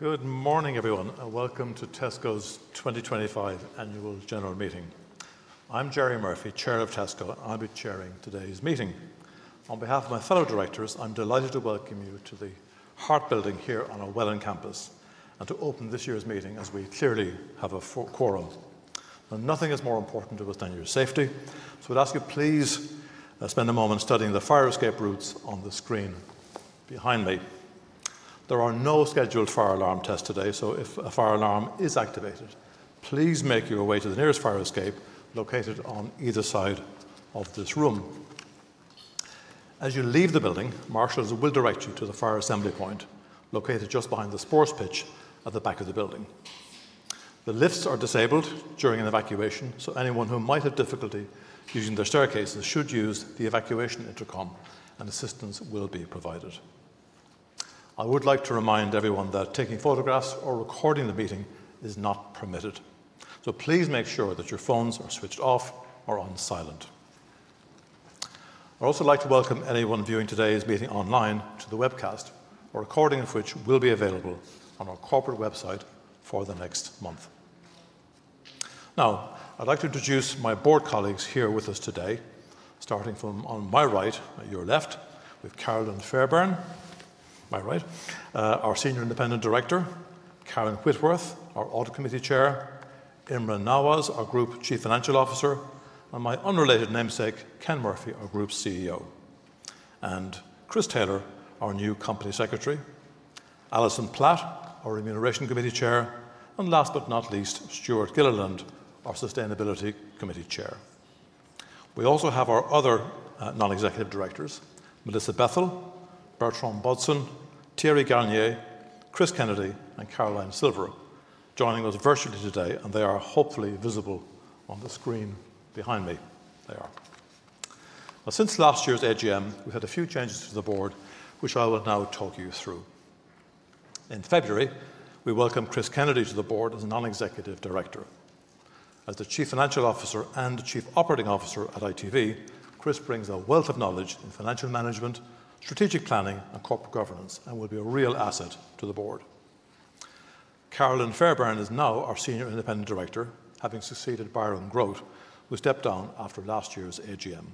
Good morning, everyone, and welcome to Tesco's 2025 Annual General Meeting. I'm Ken Murphy, Chair of Tesco, and I'll be chairing today's meeting. On behalf of my fellow directors, I'm delighted to welcome you to the Heart building here on our Welland campus and to open this year's meeting as we clearly have a full quorum. Nothing is more important to us than your safety, so I'd ask you to please spend a moment studying the fire escape routes on the screen behind me. There are no scheduled fire alarm tests today, so if a fire alarm is activated, please make your way to the nearest fire escape located on either side of this room. As you leave the building, marshals will direct you to the fire assembly point located just behind the sports pitch at the back of the building. The lifts are disabled during an evacuation, so anyone who might have difficulty using the staircases should use the evacuation intercom, and assistance will be provided. I would like to remind everyone that taking photographs or recording the meeting is not permitted, so please make sure that your phones are switched off or on silent. I'd also like to welcome anyone viewing today's meeting online to the webcast, a recording of which will be available on our corporate website for the next month. Now, I'd like to introduce my board colleagues here with us today, starting from on my right, at your left, with Carolyn Fairburn, my right, our Senior Independent Director, Karen Whitworth, our Audit Committee Chair, Imran Nawaz, our Group Chief Financial Officer, and my unrelated namesake, Ken Murphy, our Group CEO, and Chris Taylor, our New Company Secretary, Alison Platt, our Remuneration Committee Chair, and last but not least, Stuart Gilliland, our Sustainability Committee Chair. We also have our other non-executive directors: Melissa Bethel, Bertram Bodson, Thierry Garnier, Chris Kennedy, and Caroline Silver joining us virtually today, and they are hopefully visible on the screen behind me. They are. Now, since last year's AGM, we've had a few changes to the board, which I will now talk you through. In February, we welcomed Chris Kennedy to the board as a non-executive director. As the Chief Financial Officer and Chief Operating Officer at ITV, Chris brings a wealth of knowledge in financial management, strategic planning, and corporate governance, and will be a real asset to the board. Carolyn Fairburn is now our Senior Independent Director, having succeeded Byron Grote, who stepped down after last year's AGM.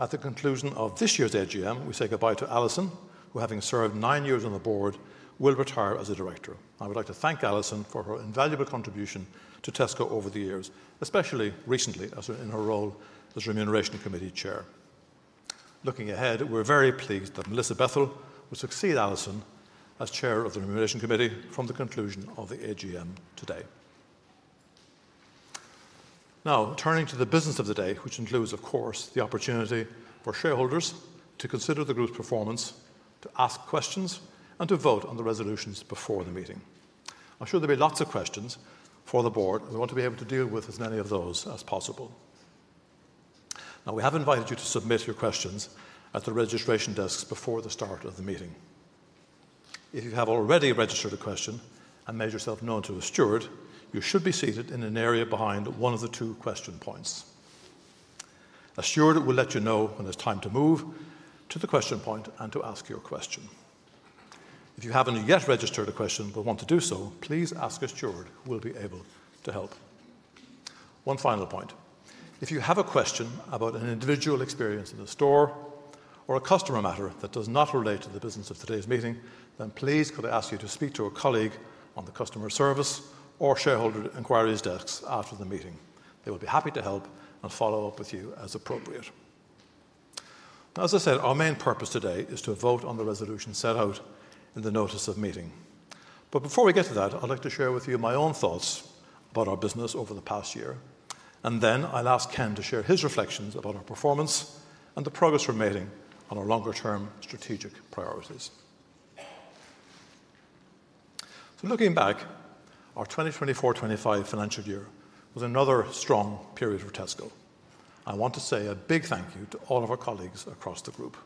At the conclusion of this year's AGM, we say goodbye to Alison, who, having served nine years on the board, will retire as a director. I would like to thank Alison for her invaluable contribution to Tesco over the years, especially recently in her role as Remuneration Committee Chair. Looking ahead, we're very pleased that Melissa Bethel will succeed Alison as Chair of the Remuneration Committee from the conclusion of the AGM today. Now, turning to the business of the day, which includes, of course, the opportunity for shareholders to consider the group's performance, to ask questions, and to vote on the resolutions before the meeting. I'm sure there'll be lots of questions for the board, and we want to be able to deal with as many of those as possible. We have invited you to submit your questions at the registration desks before the start of the meeting. If you have already registered a question and made yourself known to a steward, you should be seated in an area behind one of the two question points. A steward will let you know when it's time to move to the question point and to ask your question. If you haven't yet registered a question but want to do so, please ask a steward who will be able to help. One final point: if you have a question about an individual experience in a store or a customer matter that does not relate to the business of today's meeting, then please could I ask you to speak to a colleague on the customer service or shareholder inquiries desks after the meeting? They will be happy to help and follow up with you as appropriate. As I said, our main purpose today is to vote on the resolution set out in the notice of meeting. Before we get to that, I'd like to share with you my own thoughts about our business over the past year, and then I'll ask Ken to share his reflections about our performance and the progress we're making on our longer-term strategic priorities. Looking back, our 2024-2025 financial year was another strong period for Tesco. I want to say a big thank you to all of our colleagues across the group.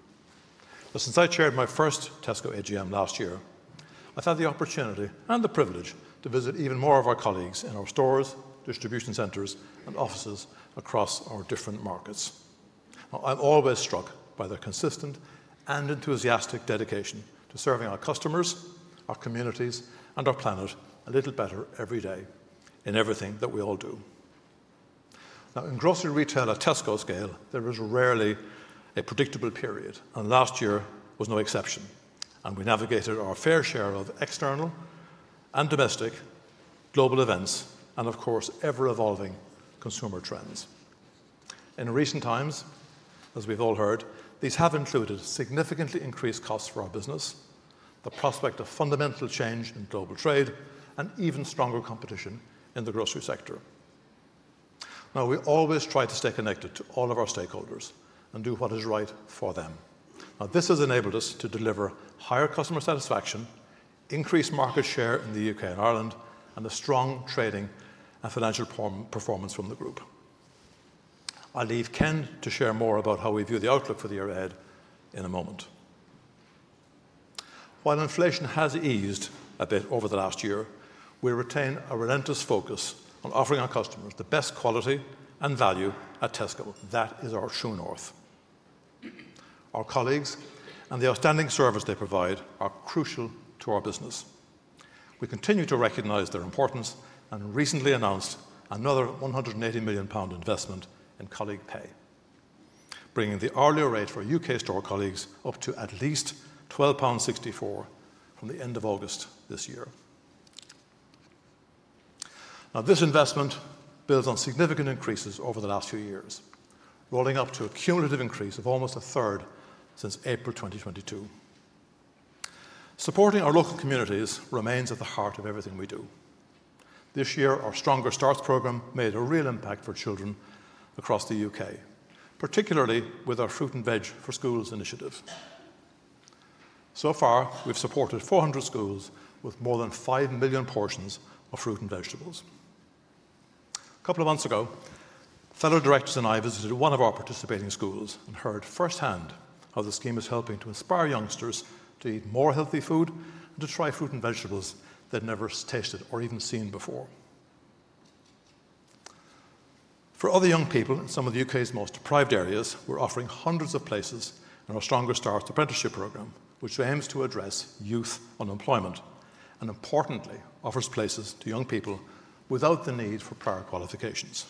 Since I chaired my first Tesco AGM last year, I've had the opportunity and the privilege to visit even more of our colleagues in our stores, distribution centers, and offices across our different markets. I'm always struck by their consistent and enthusiastic dedication to serving our customers, our communities, and our planet a little better every day in everything that we all do. Now, in grocery retail at Tesco scale, there is rarely a predictable period, and last year was no exception, and we navigated our fair share of external and domestic global events and, of course, ever-evolving consumer trends. In recent times, as we've all heard, these have included significantly increased costs for our business, the prospect of fundamental change in global trade, and even stronger competition in the grocery sector. Now, we always try to stay connected to all of our stakeholders and do what is right for them. Now, this has enabled us to deliver higher customer satisfaction, increased market share in the U.K. and Ireland, and strong trading and financial performance from the group. I'll leave Ken to share more about how we view the outlook for the year ahead in a moment. While inflation has eased a bit over the last year, we retain a relentless focus on offering our customers the best quality and value at Tesco. That is our true north. Our colleagues and the outstanding service they provide are crucial to our business. We continue to recognize their importance and recently announced another 180 million pound investment in colleague pay, bringing the hourly rate for U.K. store colleagues up to at least 12.64 pound from the end of August this year. Now, this investment builds on significant increases over the last few years, rolling up to a cumulative increase of almost a third since April 2022. Supporting our local communities remains at the heart of everything we do. This year, our Stronger Starts program made a real impact for children across the U.K., particularly with our Fruit and Veg for Schools initiative. So far, we've supported 400 schools with more than 5 million portions of fruit and vegetables. A couple of months ago, fellow directors and I visited one of our participating schools and heard firsthand how the scheme is helping to inspire youngsters to eat more healthy food and to try fruit and vegetables they've never tasted or even seen before. For other young people in some of the U.K.'s most deprived areas, we're offering hundreds of places in our Stronger Starts apprenticeship program, which aims to address youth unemployment and, importantly, offers places to young people without the need for prior qualifications.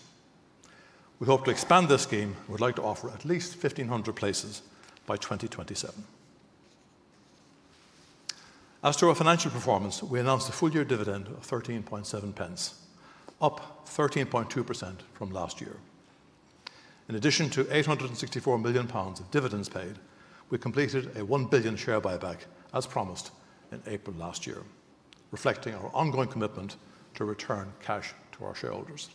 We hope to expand this scheme and would like to offer at least 1,500 places by 2027. As to our financial performance, we announced a full-year dividend of 13.7, up 13.2% from last year. In addition to 864 million pounds of dividends paid, we completed a 1 billion share buyback, as promised, in April last year, reflecting our ongoing commitment to return cash to our shareholders.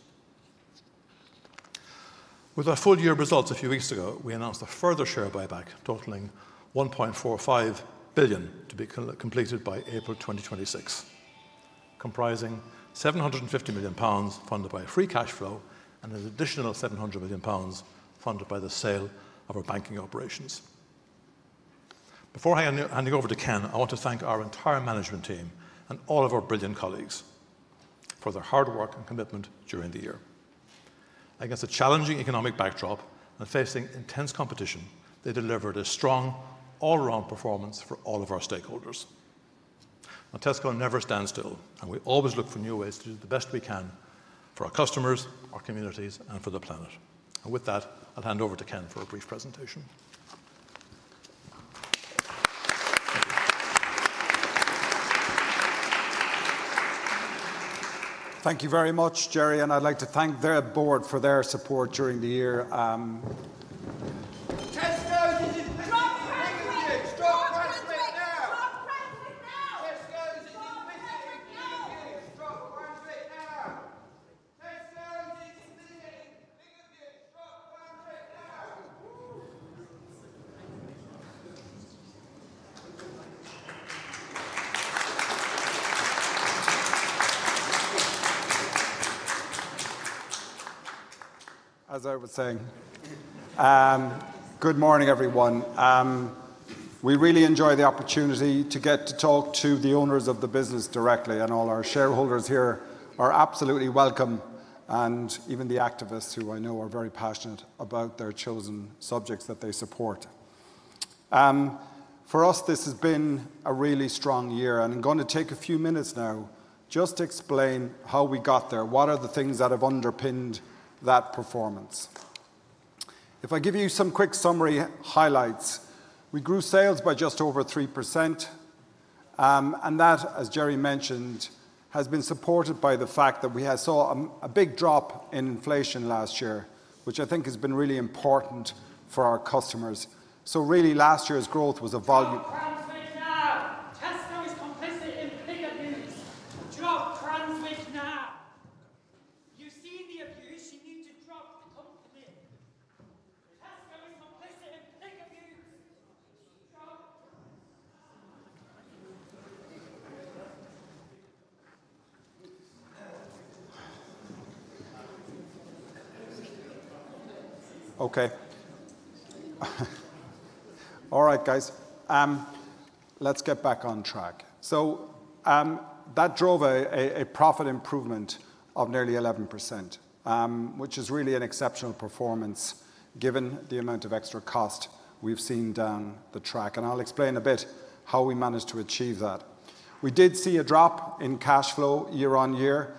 With our full-year results a few weeks ago, we announced a further share buyback totaling 1.45 billion to be completed by April 2026, comprising 750 million pounds funded by free cash flow and an additional 700 million pounds funded by the sale of our banking operations. Before handing over to Ken, I want to thank our entire management team and all of our brilliant colleagues for their hard work and commitment during the year. Against a challenging economic backdrop and facing intense competition, they delivered a strong, all-around performance for all of our stakeholders. Tesco never stands still, and we always look for new ways to do the best we can for our customers, our communities, and for the planet. With that, I'll hand over to Ken for a brief presentation. Thank you very much, Jerry, and I'd like to thank the Board for their support during the year. Tesco is in strong hands with you. Strong hands with now. Strong hands with now. Tesco is in strong hands with you. Tesco is in strong hands now. As I was saying, good morning, everyone. We really enjoy the opportunity to get to talk to the owners of the business directly, and all our shareholders here are absolutely welcome, and even the activists who I know are very passionate about their chosen subjects that they support. For us, this has been a really strong year, and I'm going to take a few minutes now just to explain how we got there, what are the things that have underpinned that performance. If I give you some quick summary highlights, we grew sales by just over 3%, and that, as Jerry mentioned, has been supported by the fact that we saw a big drop in inflation last year, which I think has been really important for our customers. Really, last year's growth was a volume. Drop transmit now. Tesco is complicit in pig abuse. Drop transmit now. You've seen the abuse. You need to drop the compliment. Tesco is complicit in pig abuse. Drop. Okay. All right, guys. Let's get back on track. That drove a profit improvement of nearly 11%, which is really an exceptional performance given the amount of extra cost we've seen down the track, and I'll explain a bit how we managed to achieve that. We did see a drop in cash flow year on-year.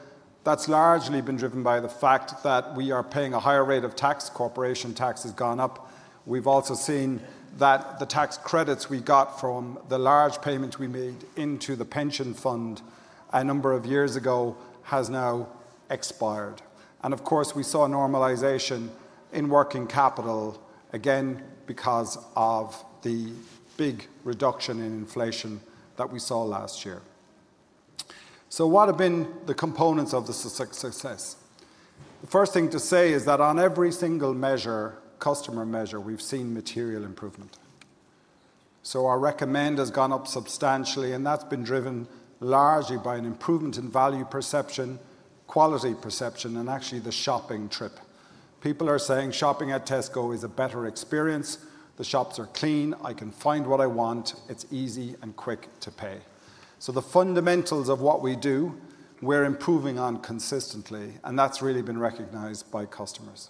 That's largely been driven by the fact that we are paying a higher rate of tax. Corporation tax has gone up. We've also seen that the tax credits we got from the large payments we made into the pension fund a number of years ago have now expired. Of course, we saw a normalization in working capital, again, because of the big reduction in inflation that we saw last year. What have been the components of this success? The first thing to say is that on every single customer measure, we've seen material improvement. Our recommend has gone up substantially, and that's been driven largely by an improvement in value perception, quality perception, and actually the shopping trip. People are saying shopping at Tesco is a better experience. The shops are clean. I can find what I want. It's easy and quick to pay. The fundamentals of what we do, we're improving on consistently, and that's really been recognized by customers.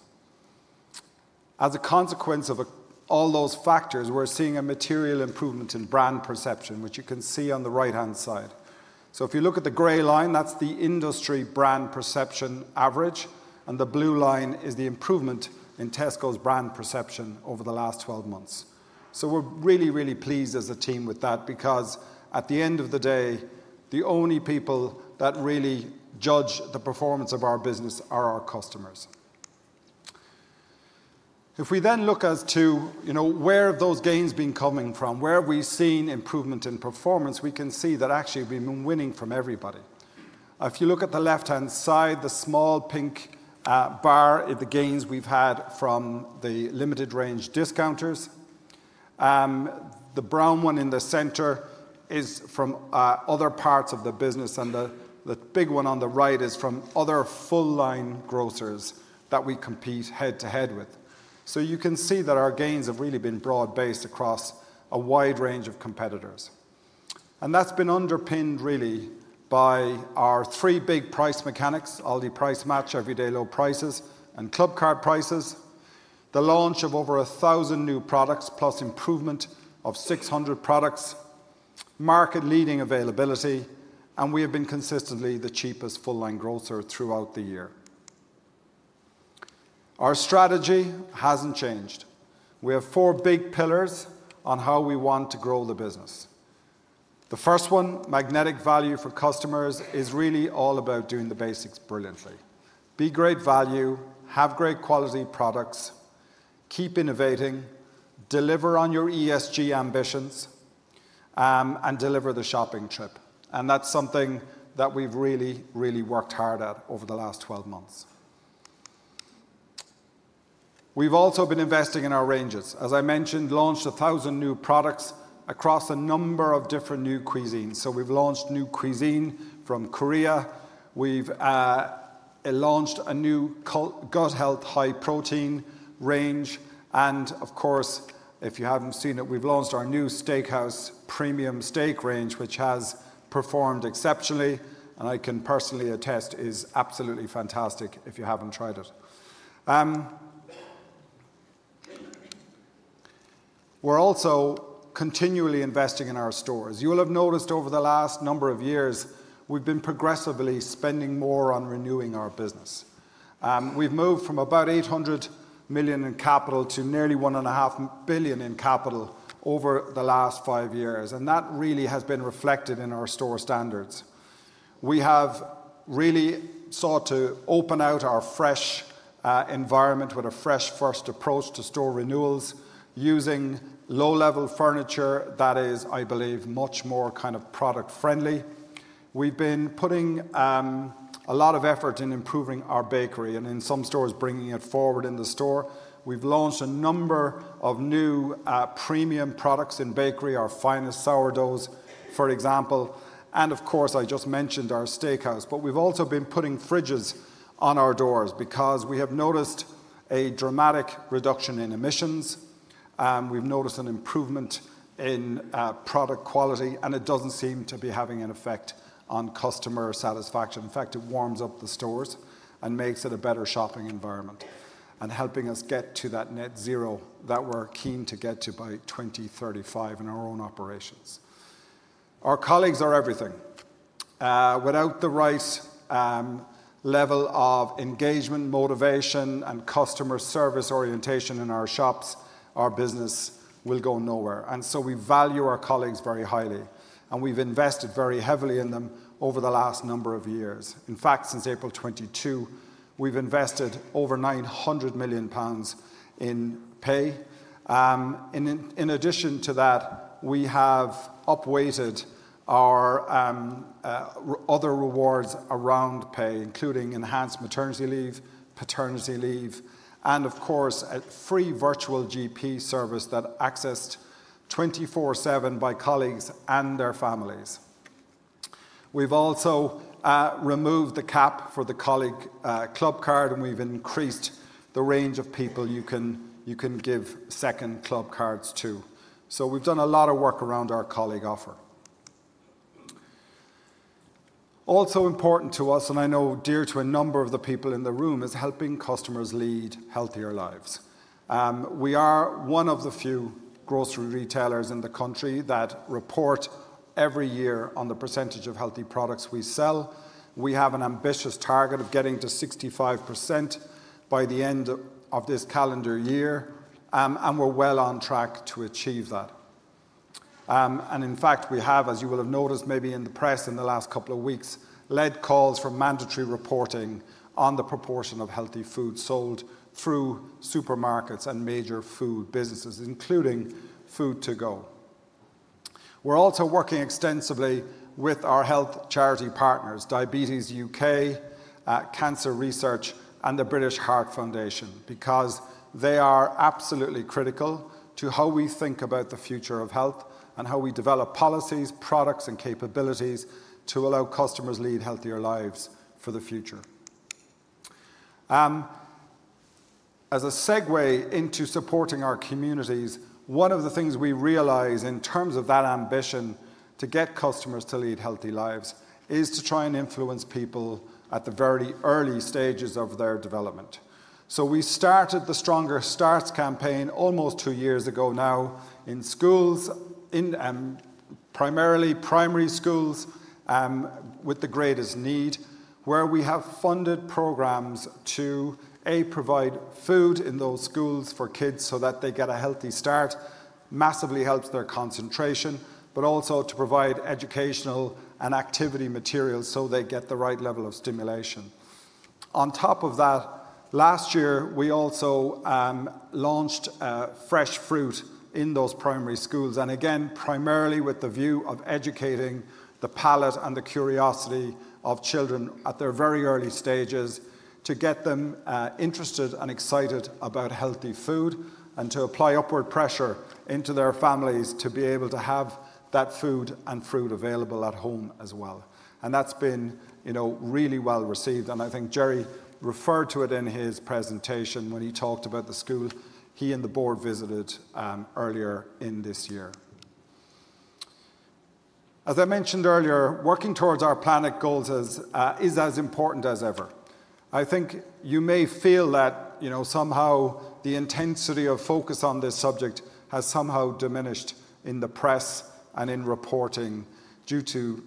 As a consequence of all those factors, we're seeing a material improvement in brand perception, which you can see on the right-hand side. If you look at the gray line, that's the industry brand perception average, and the blue line is the improvement in Tesco's brand perception over the last 12 months. We are really, really pleased as a team with that because at the end of the day, the only people that really judge the performance of our business are our customers. If we then look as to where have those gains been coming from, where have we seen improvement in performance, we can see that actually we have been winning from everybody. If you look at the left-hand side, the small pink bar is the gains we have had from the limited-range discounters. The brown one in the center is from other parts of the business, and the big one on the right is from other full-line grocers that we compete head-to-head with. You can see that our gains have really been broad-based across a wide range of competitors. That has been underpinned really by our three big price mechanics: Aldi Price Match, Everyday Low Prices, and Clubcard Prices, the launch of over 1,000 new products, plus improvement of 600 products, market-leading availability, and we have been consistently the cheapest full-line grocer throughout the year. Our strategy has not changed. We have four big pillars on how we want to grow the business. The first one, magnetic value for customers, is really all about doing the basics brilliantly. Be great value, have great quality products, keep innovating, deliver on your ESG ambitions, and deliver the shopping trip. That is something that we have really, really worked hard at over the last 12 months. We have also been investing in our ranges. As I mentioned, launched 1,000 new products across a number of different new cuisines. We have launched new cuisine from Korea. We have launched a new gut-health high-protein range. Of course, if you haven't seen it, we've launched our new Steakhouse Premium Steak Range, which has performed exceptionally and I can personally attest is absolutely fantastic if you haven't tried it. We're also continually investing in our stores. You'll have noticed over the last number of years, we've been progressively spending more on renewing our business. We've moved from about 800 million in capital to nearly 1.5 billion in capital over the last five years, and that really has been reflected in our store standards. We have really sought to open out our fresh environment with a fresh-first approach to store renewals, using low-level furniture that is, I believe, much more kind of product-friendly. We've been putting a lot of effort in improving our bakery and in some stores bringing it forward in the store. We've launched a number of new premium products in bakery, our Finest Sourdoughs, for example. I just mentioned our Steakhouse, but we've also been putting fridges on our doors because we have noticed a dramatic reduction in emissions. We've noticed an improvement in product quality, and it doesn't seem to be having an effect on customer satisfaction. In fact, it warms up the stores and makes it a better shopping environment and helping us get to that net zero that we're keen to get to by 2035 in our own operations. Our colleagues are everything. Without the right level of engagement, motivation, and customer service orientation in our shops, our business will go nowhere. We value our colleagues very highly, and we've invested very heavily in them over the last number of years. In fact, since April 2022, we've invested over 900 million pounds in pay. In addition to that, we have upweighted our other rewards around pay, including enhanced maternity leave, paternity leave, and of course, a free virtual GP service that's accessed 24/7 by colleagues and their families. We've also removed the cap for the colleague Clubcard, and we've increased the range of people you can give second Clubcards to. So we've done a lot of work around our colleague offer. Also important to us, and I know dear to a number of the people in the room, is helping customers lead healthier lives. We are one of the few grocery retailers in the country that report every year on the percentage of healthy products we sell. We have an ambitious target of getting to 65% by the end of this calendar year, and we're well on track to achieve that. In fact, we have, as you will have noticed maybe in the press in the last couple of weeks, led calls for mandatory reporting on the proportion of healthy food sold through supermarkets and major food businesses, including food to go. We are also working extensively with our health charity partners, Diabetes UK, Cancer Research, and the British Heart Foundation because they are absolutely critical to how we think about the future of health and how we develop policies, products, and capabilities to allow customers to lead healthier lives for the future. As a segue into supporting our communities, one of the things we realize in terms of that ambition to get customers to lead healthy lives is to try and influence people at the very early stages of their development. We started the Stronger Starts campaign almost two years ago now in schools, primarily primary schools with the greatest need, where we have funded programs to, A, provide food in those schools for kids so that they get a healthy start, massively helps their concentration, but also to provide educational and activity materials so they get the right level of stimulation. On top of that, last year, we also launched fresh fruit in those primary schools, and again, primarily with the view of educating the palate and the curiosity of children at their very early stages to get them interested and excited about healthy food and to apply upward pressure into their families to be able to have that food and fruit available at home as well. That has been really well received, and I think Jerry referred to it in his presentation when he talked about the school he and the board visited earlier in this year. As I mentioned earlier, working towards our planet goals is as important as ever. I think you may feel that somehow the intensity of focus on this subject has somehow diminished in the press and in reporting due to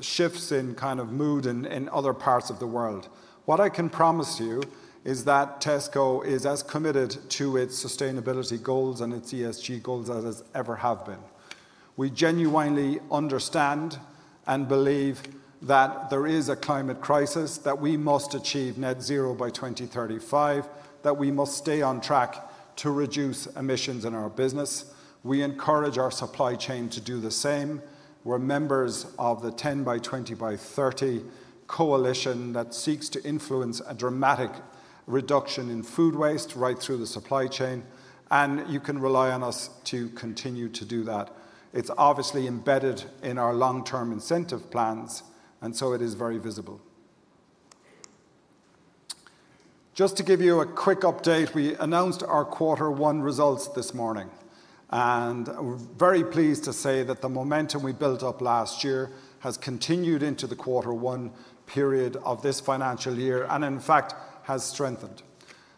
shifts in kind of mood in other parts of the world. What I can promise you is that Tesco is as committed to its sustainability goals and its ESG goals as ever have been. We genuinely understand and believe that there is a climate crisis, that we must achieve net zero by 2035, that we must stay on track to reduce emissions in our business. We encourage our supply chain to do the same. We're members of the 10 by 20 by 30 coalition that seeks to influence a dramatic reduction in food waste right through the supply chain, and you can rely on us to continue to do that. It is obviously embedded in our long-term incentive plans, and so it is very visible. Just to give you a quick update, we announced our quarter one results this morning, and we're very pleased to say that the momentum we built up last year has continued into the quarter one period of this financial year and in fact has strengthened.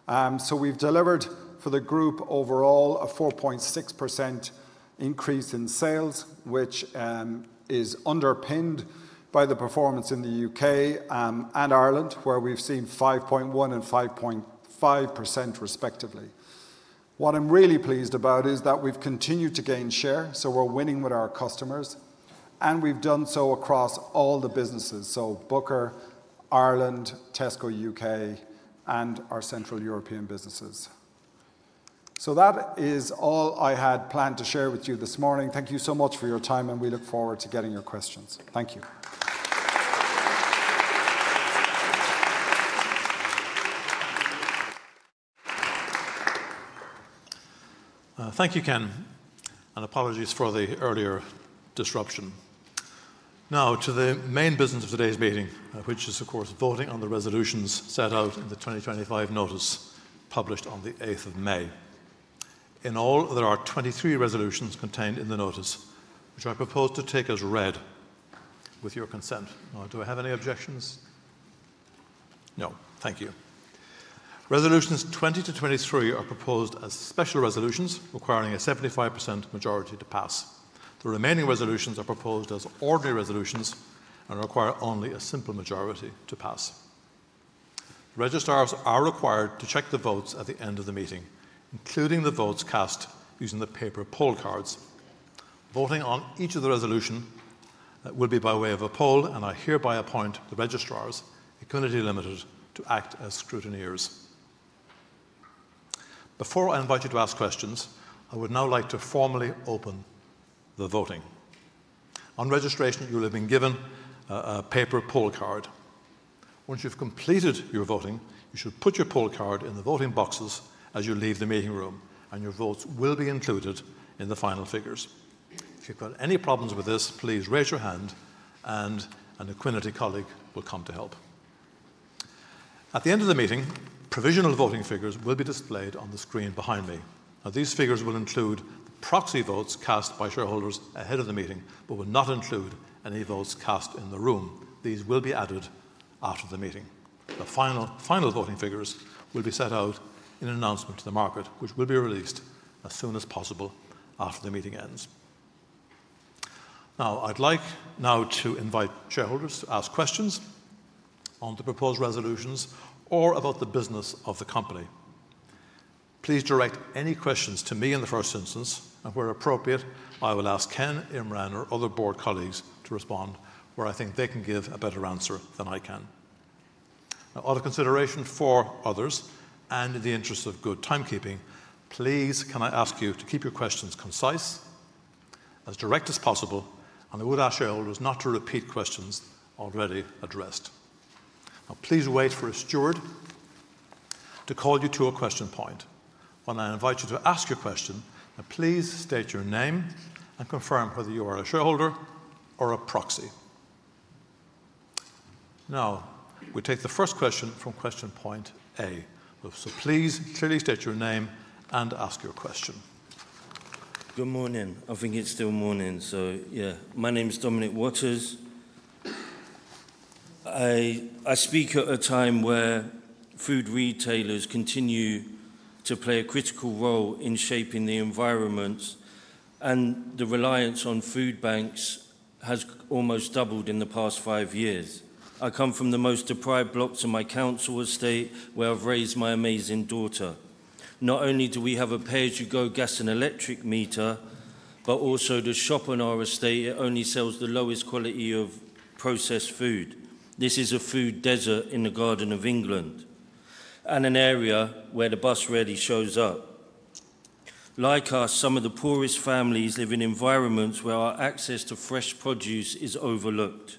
We have delivered for the group overall a 4.6% increase in sales, which is underpinned by the performance in the U.K. and Ireland, where we've seen 5.1% and 5.5% respectively. What I'm really pleased about is that we've continued to gain share, so we're winning with our customers, and we've done so across all the businesses: so Booker, Ireland, Tesco U.K., and our Central European businesses. That is all I had planned to share with you this morning. Thank you so much for your time, and we look forward to getting your questions. Thank you. Thank you, Ken, and apologies for the earlier disruption. Now to the main business of today's meeting, which is, of course, voting on the resolutions set out in the 2025 notice published on the 8th of May. In all, there are 23 resolutions contained in the notice, which I propose to take as read with your consent. Now, do I have any objections? No. Thank you. Resolutions 20-23 are proposed as special resolutions requiring a 75% majority to pass. The remaining resolutions are proposed as ordinary resolutions and require only a simple majority to pass. Registrars are required to check the votes at the end of the meeting, including the votes cast using the paper poll cards. Voting on each of the resolutions will be by way of a poll, and I hereby appoint the registrars, Equiniti Limited, to act as scrutineers. Before I invite you to ask questions, I would now like to formally open the voting. On registration, you will have been given a paper poll card. Once you've completed your voting, you should put your poll card in the voting boxes as you leave the meeting room, and your votes will be included in the final figures. If you've got any problems with this, please raise your hand, and an Equiniti colleague will come to help. At the end of the meeting, provisional voting figures will be displayed on the screen behind me. Now, these figures will include proxy votes cast by shareholders ahead of the meeting but will not include any votes cast in the room. These will be added after the meeting. The final voting figures will be set out in an announcement to the market, which will be released as soon as possible after the meeting ends. Now, I'd like to invite shareholders to ask questions on the proposed resolutions or about the business of the company. Please direct any questions to me in the first instance, and where appropriate, I will ask Ken, Imran, or other board colleagues to respond where I think they can give a better answer than I can. Now, out of consideration for others and in the interest of good timekeeping, please, can I ask you to keep your questions concise, as direct as possible, and I would ask shareholders not to repeat questions already addressed. Now, please wait for a steward to call you to a question point. When I invite you to ask your question, please state your name and confirm whether you are a shareholder or a proxy. Now, we take the first question from question point A. So please clearly state your name and ask your question. Good morning. I think it is still morning. Yeah, my name is Dominic Waters. I speak at a time where food retailers continue to play a critical role in shaping the environment, and the reliance on food banks has almost doubled in the past five years. I come from the most deprived blocks of my council estate where I have raised my amazing daughter. Not only do we have a pay-as-you-go gas and electric meter, but also the shop on our estate only sells the lowest quality of processed food. This is a food desert in the Garden of England and an area where the bus rarely shows up. Like us, some of the poorest families live in environments where our access to fresh produce is overlooked.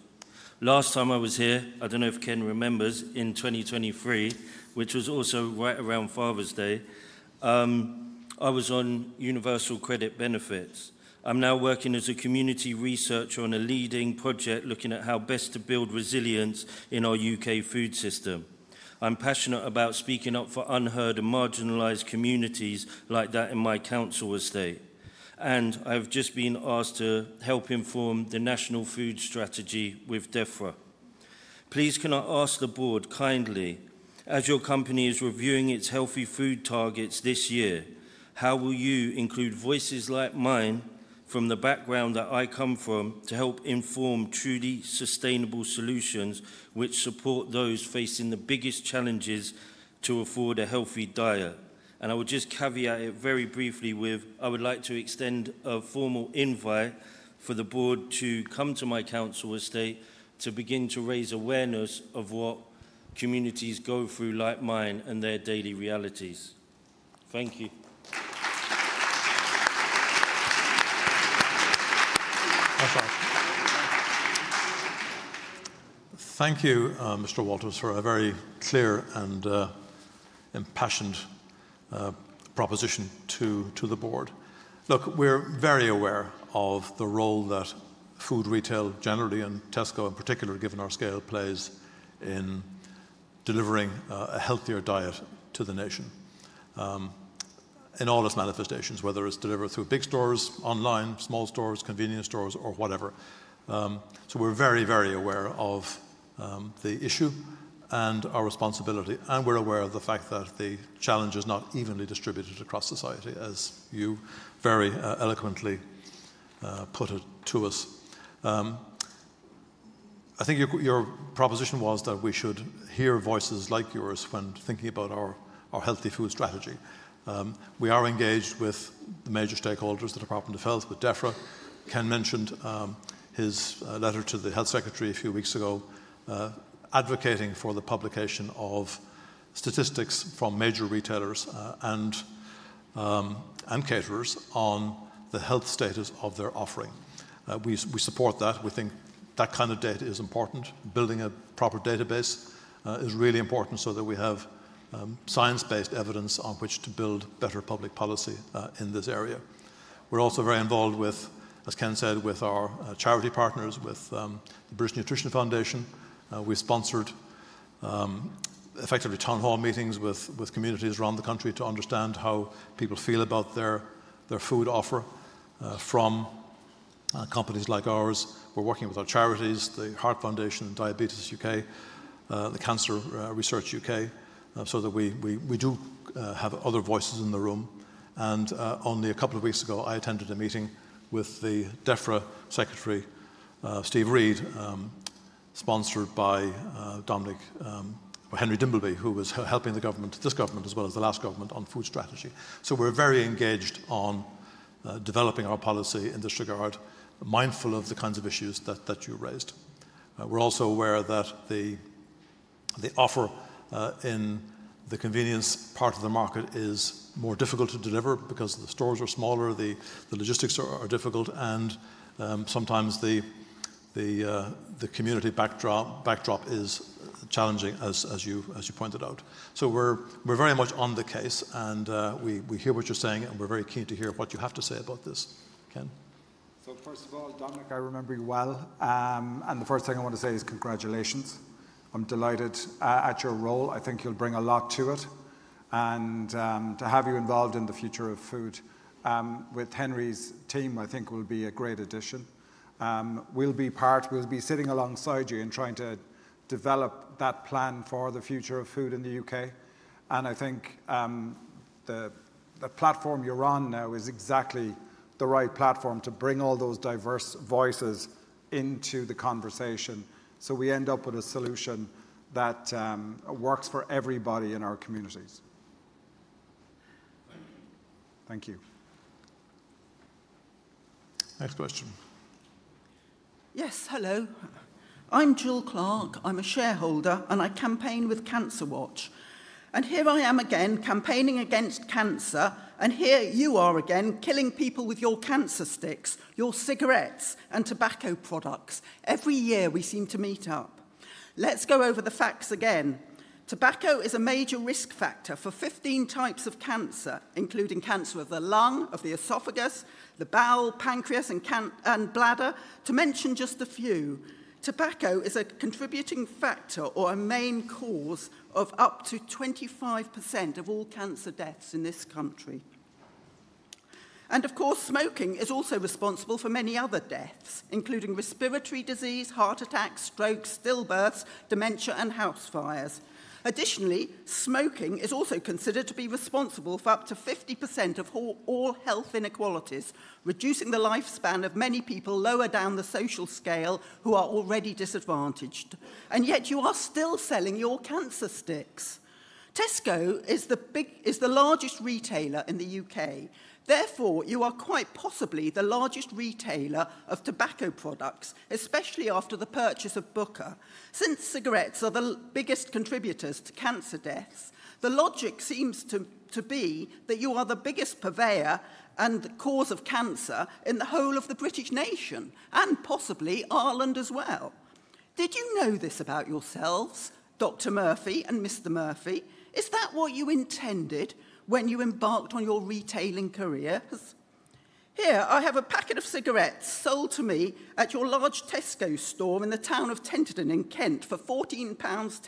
Last time I was here, I do not know if Ken remembers, in 2023, which was also right around Father's Day, I was on universal credit benefits. I am now working as a community researcher on a leading project looking at how best to build resilience in our U.K. food system. I am passionate about speaking up for unheard and marginalized communities like that in my council estate, and I have just been asked to help inform the national food strategy with DEFRA. Please can I ask the board kindly, as your company is reviewing its healthy food targets this year, how will you include voices like mine from the background that I come from to help inform truly sustainable solutions which support those facing the biggest challenges to afford a healthy diet? I would just caveat it very briefly with, I would like to extend a formal invite for the board to come to my council estate to begin to raise awareness of what communities go through like mine and their daily realities. Thank you. Thank you, Mr. Walters, for a very clear and impassioned proposition to the board. Look, we're very aware of the role that food retail generally, and Tesco in particular, given our scale, plays in delivering a healthier diet to the nation in all its manifestations, whether it's delivered through big stores, online, small stores, convenience stores, or whatever. We're very, very aware of the issue and our responsibility, and we're aware of the fact that the challenge is not evenly distributed across society, as you very eloquently put it to us. I think your proposition was that we should hear voices like yours when thinking about our healthy food strategy. We are engaged with the major stakeholders that are part of the field. With DEFRA, Ken mentioned his letter to the health secretary a few weeks ago, advocating for the publication of statistics from major retailers and caterers on the health status of their offering. We support that. We think that kind of data is important. Building a proper database is really important so that we have science-based evidence on which to build better public policy in this area. We're also very involved with, as Ken said, with our charity partners, with the British Nutrition Foundation. We sponsored effectively town hall meetings with communities around the country to understand how people feel about their food offer from companies like ours. We're working with our charities, the Heart Foundation, Diabetes UK, the Cancer Research UK, so that we do have other voices in the room. Only a couple of weeks ago, I attended a meeting with the DEFRA Secretary, Steve Reid, sponsored by Dominic Henry Dimbleby, who was helping the government, this government, as well as the last government, on food strategy. We are very engaged on developing our policy in this regard, mindful of the kinds of issues that you raised. We are also aware that the offer in the convenience part of the market is more difficult to deliver because the stores are smaller, the logistics are difficult, and sometimes the community backdrop is challenging, as you pointed out. We are very much on the case, and we hear what you are saying, and we are very keen to hear what you have to say about this. Ken. First of all, Dominic, I remember you well, and the first thing I want to say is congratulations. I'm delighted at your role. I think you'll bring a lot to it, and to have you involved in the future of food with Henry's team, I think, will be a great addition. We'll be sitting alongside you in trying to develop that plan for the future of food in the U.K., and I think the platform you're on now is exactly the right platform to bring all those diverse voices into the conversation so we end up with a solution that works for everybody in our communities. Thank you. Next question. Yes, hello. I'm Jill Clark. I'm a shareholder, and I campaign with Cancer Watch. Here I am again, campaigning against cancer, and here you are again, killing people with your cancer sticks, your cigarettes, and tobacco products. Every year, we seem to meet up. Let's go over the facts again. Tobacco is a major risk factor for 15 types of cancer, including cancer of the lung, of the esophagus, the bowel, pancreas, and bladder, to mention just a few. Tobacco is a contributing factor or a main cause of up to 25% of all cancer deaths in this country. Of course, smoking is also responsible for many other deaths, including respiratory disease, heart attacks, strokes, stillbirths, dementia, and house fires. Additionally, smoking is also considered to be responsible for up to 50% of all health inequalities, reducing the lifespan of many people lower down the social scale who are already disadvantaged. Yet, you are still selling your cancer sticks. Tesco is the largest retailer in the U.K. Therefore, you are quite possibly the largest retailer of tobacco products, especially after the purchase of Booker. Since cigarettes are the biggest contributors to cancer deaths, the logic seems to be that you are the biggest purveyor and cause of cancer in the whole of the British nation and possibly Ireland as well. Did you know this about yourselves, Dr. Murphy and Mr. Murphy? Is that what you intended when you embarked on your retailing careers? Here, I have a packet of cigarettes sold to me at your large Tesco store in the town of Tenterdon in Kent for 14.10 pounds.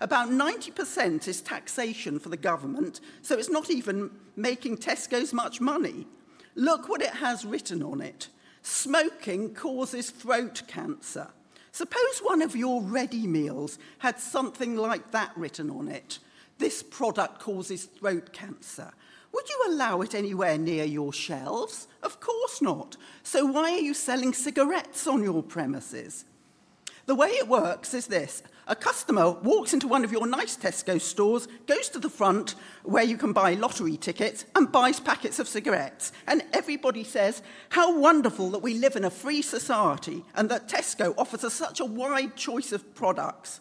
About 90% is taxation for the government, so it's not even making Tesco much money. Look what it has written on it. Smoking causes throat cancer. Suppose one of your ready meals had something like that written on it. This product causes throat cancer. Would you allow it anywhere near your shelves? Of course not. Why are you selling cigarettes on your premises? The way it works is this: a customer walks into one of your nice Tesco stores, goes to the front where you can buy lottery tickets, and buys packets of cigarettes. Everybody says, "How wonderful that we live in a free society and that Tesco offers such a wide choice of products."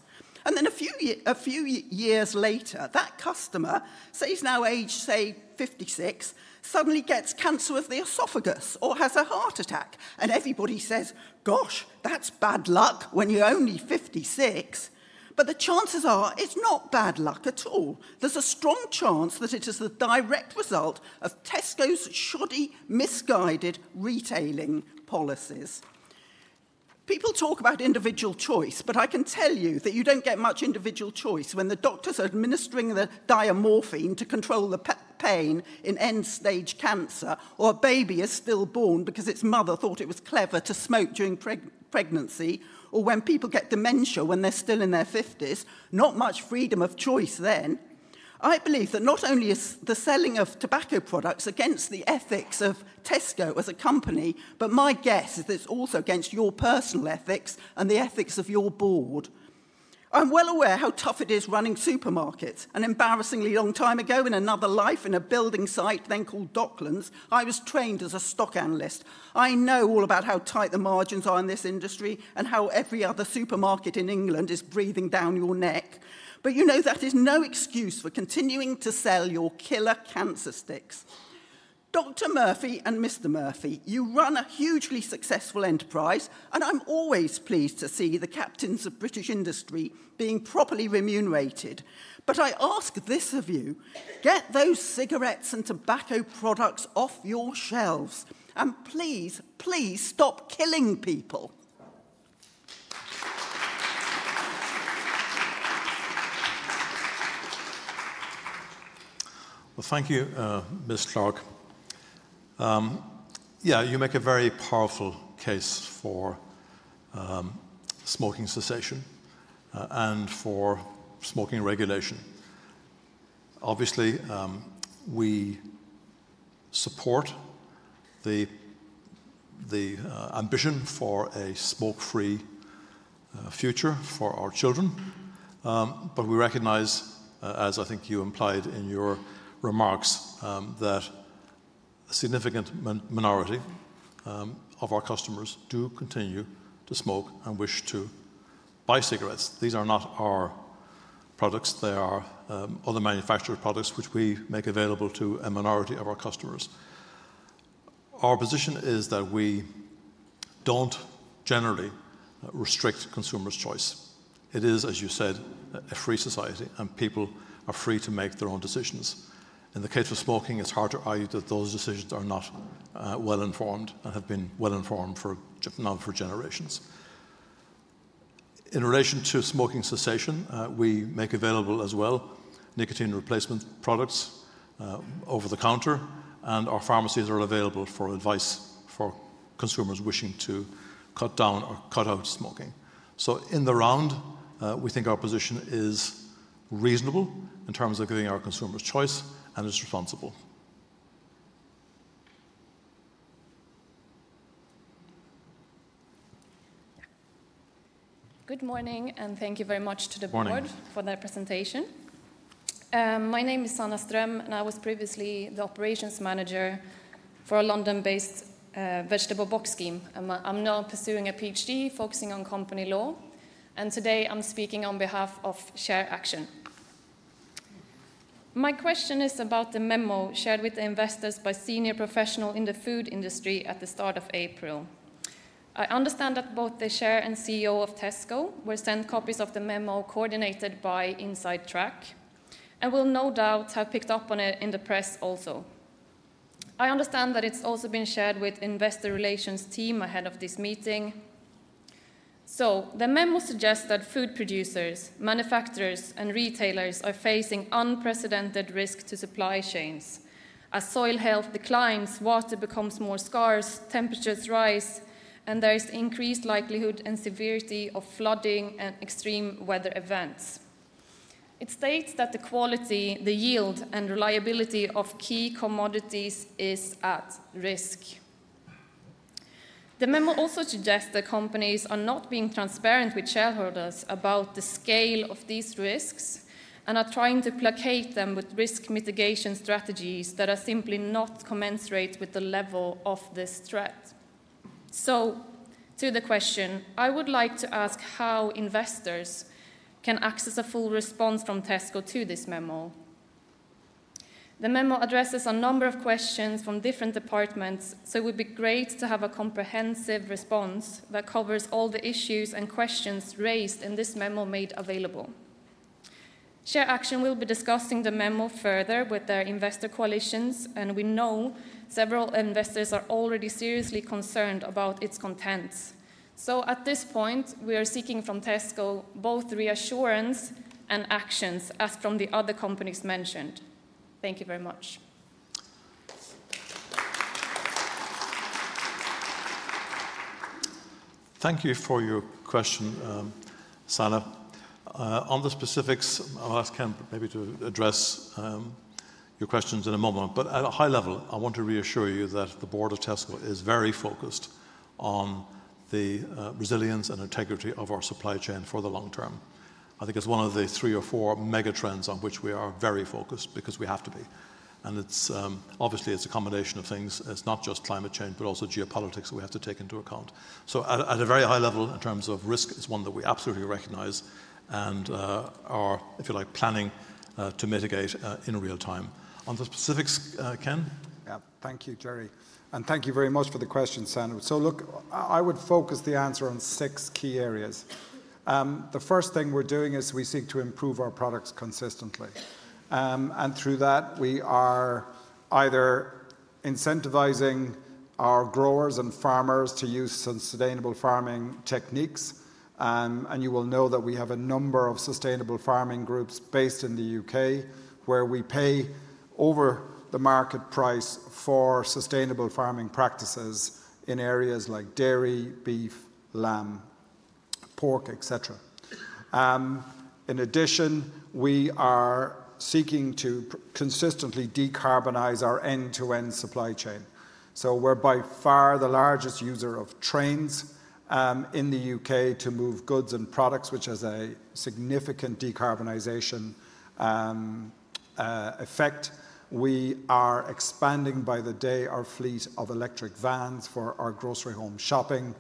A few years later, that customer, say he's now aged, say, 56, suddenly gets cancer of the esophagus or has a heart attack, and everybody says, "Gosh, that's bad luck when you're only 56." The chances are it's not bad luck at all. There's a strong chance that it is the direct result of Tesco's shoddy, misguided retailing policies. People talk about individual choice, but I can tell you that you don't get much individual choice when the doctor's administering the diamorphine to control the pain in end-stage cancer, or a baby is stillborn because its mother thought it was clever to smoke during pregnancy, or when people get dementia when they're still in their 50s. Not much freedom of choice then. I believe that not only is the selling of tobacco products against the ethics of Tesco as a company, but my guess is it's also against your personal ethics and the ethics of your board. I'm well aware how tough it is running supermarkets. An embarrassingly long time ago in another life in a building site then called Docklands, I was trained as a stock analyst. I know all about how tight the margins are in this industry and how every other supermarket in England is breathing down your neck. You know that is no excuse for continuing to sell your killer cancer sticks. Dr. Murphy and Mr. Murphy, you run a hugely successful enterprise, and I'm always pleased to see the captains of British industry being properly remunerated. I ask this of you: get those cigarettes and tobacco products off your shelves, and please, please stop killing people. Thank you, Ms. Clark. Yeah, you make a very powerful case for smoking cessation and for smoking regulation. Obviously, we support the ambition for a smoke-free future for our children, but we recognize, as I think you implied in your remarks, that a significant minority of our customers do continue to smoke and wish to buy cigarettes. These are not our products. They are other manufacturers' products, which we make available to a minority of our customers. Our position is that we do not generally restrict consumers' choice. It is, as you said, a free society, and people are free to make their own decisions. In the case of smoking, it is hard to argue that those decisions are not well-informed and have been well-informed for now for generations. In relation to smoking cessation, we make available as well nicotine replacement products over the counter, and our pharmacies are available for advice for consumers wishing to cut down or cut out smoking. In the round, we think our position is reasonable in terms of giving our consumers choice, and it is responsible. Good morning, and thank you very much to the board for that presentation. My name is Sanna Ström, and I was previously the operations manager for a London-based vegetable box scheme. I'm now pursuing a PhD focusing on company law, and today I'm speaking on behalf of Share Action. My question is about the memo shared with the investors by senior professionals in the food industry at the start of April. I understand that both the Chair and CEO of Tesco were sent copies of the memo coordinated by InsideTrack and will no doubt have picked up on it in the press also. I understand that it's also been shared with the investor relations team ahead of this meeting. The memo suggests that food producers, manufacturers, and retailers are facing unprecedented risks to supply chains. As soil health declines, water becomes more scarce, temperatures rise, and there is increased likelihood and severity of flooding and extreme weather events. It states that the quality, the yield, and reliability of key commodities is at risk. The memo also suggests that companies are not being transparent with shareholders about the scale of these risks and are trying to placate them with risk mitigation strategies that are simply not commensurate with the level of this threat. To the question, I would like to ask how investors can access a full response from Tesco to this memo. The memo addresses a number of questions from different departments, so it would be great to have a comprehensive response that covers all the issues and questions raised in this memo made available. Share Action will be discussing the memo further with their investor coalitions, and we know several investors are already seriously concerned about its contents. At this point, we are seeking from Tesco both reassurance and actions as from the other companies mentioned. Thank you very much. Thank you for your question, Sanna. On the specifics, I'll ask Ken maybe to address your questions in a moment, but at a high level, I want to reassure you that the board of Tesco is very focused on the resilience and integrity of our supply chain for the long term. I think it's one of the three or four mega trends on which we are very focused because we have to be. Obviously, it's a combination of things. It's not just climate change, but also geopolitics that we have to take into account. At a very high level, in terms of risk, it's one that we absolutely recognize and are, if you like, planning to mitigate in real time. On the specifics, Ken? Yeah, thank you, Jerry. Thank you very much for the question, Sana. I would focus the answer on six key areas. The first thing we're doing is we seek to improve our products consistently. Through that, we are either incentivizing our growers and farmers to use sustainable farming techniques. You will know that we have a number of sustainable farming groups based in the U.K. where we pay over the market price for sustainable farming practices in areas like dairy, beef, lamb, pork, etc. In addition, we are seeking to consistently decarbonize our end-to-end supply chain. We are by far the largest user of trains in the U.K. to move goods and products, which has a significant decarbonization effect. We are expanding by the day our fleet of electric vans for our grocery home shopping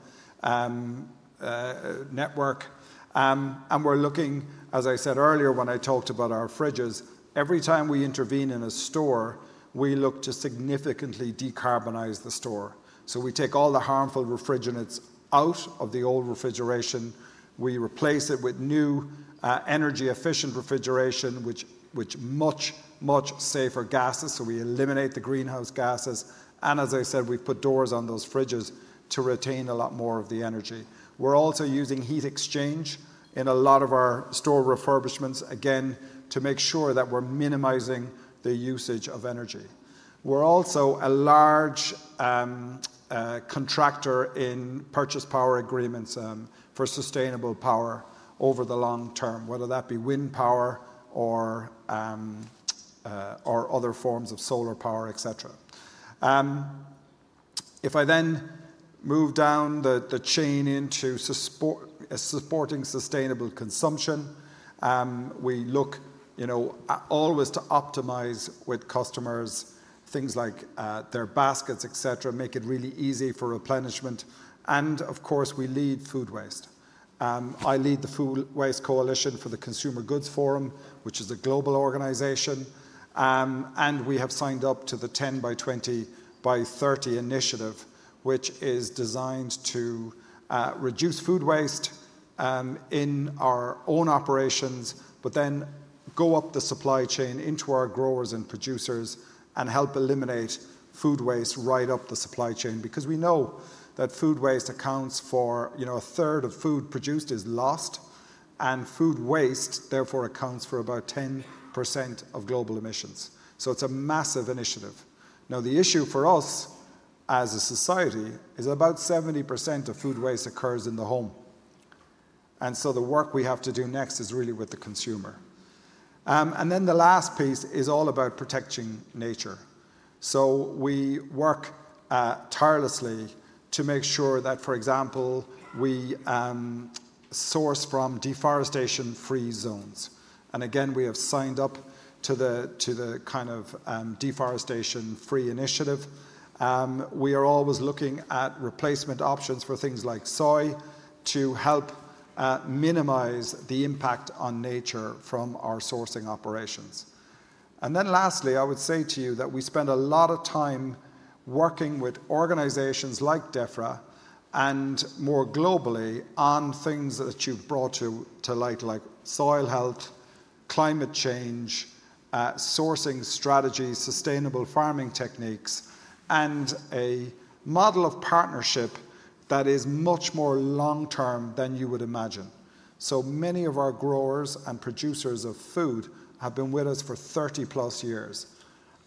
network. We are looking, as I said earlier when I talked about our fridges, every time we intervene in a store, we look to significantly decarbonize the store. We take all the harmful refrigerants out of the old refrigeration. We replace it with new energy-efficient refrigeration, which is much, much safer gases. We eliminate the greenhouse gases. As I said, we have put doors on those fridges to retain a lot more of the energy. We are also using heat exchange in a lot of our store refurbishments, again, to make sure that we are minimizing the usage of energy. We are also a large contractor in purchase power agreements for sustainable power over the long term, whether that be wind power or other forms of solar power, etc. If I then move down the chain into supporting sustainable consumption, we look always to optimize with customers' things like their baskets, etc., make it really easy for replenishment. Of course, we lead food waste. I lead the Food Waste Coalition for the Consumer Goods Forum, which is a global organization. We have signed up to the 10 by 20 by 30 initiative, which is designed to reduce food waste in our own operations, but then go up the supply chain into our growers and producers and help eliminate food waste right up the supply chain because we know that food waste accounts for a third of food produced is lost, and food waste therefore accounts for about 10% of global emissions. It is a massive initiative. Now, the issue for us as a society is about 70% of food waste occurs in the home. The work we have to do next is really with the consumer. The last piece is all about protecting nature. We work tirelessly to make sure that, for example, we source from deforestation-free zones. We have signed up to the kind of deforestation-free initiative. We are always looking at replacement options for things like soy to help minimize the impact on nature from our sourcing operations. Lastly, I would say to you that we spend a lot of time working with organizations like DEFRA and more globally on things that you have brought to light, like soil health, climate change, sourcing strategies, sustainable farming techniques, and a model of partnership that is much more long-term than you would imagine. Many of our growers and producers of food have been with us for 30 plus years.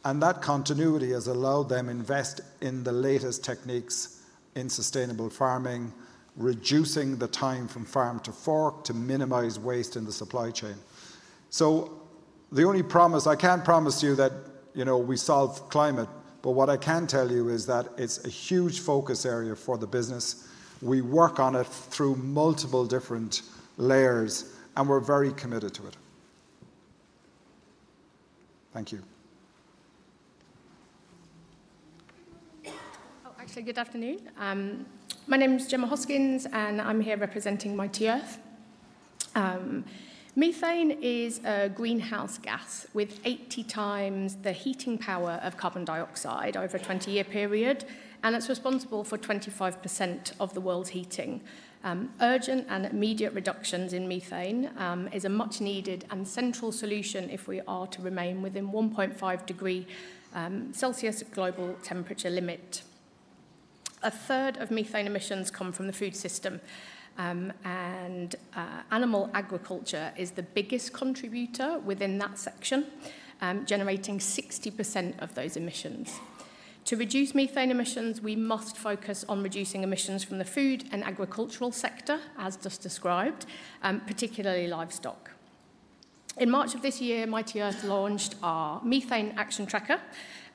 That continuity has allowed them to invest in the latest techniques in sustainable farming, reducing the time from farm to fork to minimize waste in the supply chain. The only promise I can't promise you is that we solve climate, but what I can tell you is that it's a huge focus area for the business. We work on it through multiple different layers, and we're very committed to it. Thank you. Oh, actually, good afternoon. My name is Gemma Hoskinds, and I'm here representing Mighty Earth. Methane is a greenhouse gas with 80 times the heating power of carbon dioxide over a 20-year period, and it's responsible for 25% of the world's heating. Urgent and immediate reductions in methane are a much-needed and central solution if we are to remain within 1.5 degrees Celsius global temperature limit. A third of methane emissions come from the food system, and animal agriculture is the biggest contributor within that section, generating 60% of those emissions. To reduce methane emissions, we must focus on reducing emissions from the food and agricultural sector, as just described, particularly livestock. In March of this year, Mighty Earth launched our Methane Action Tracker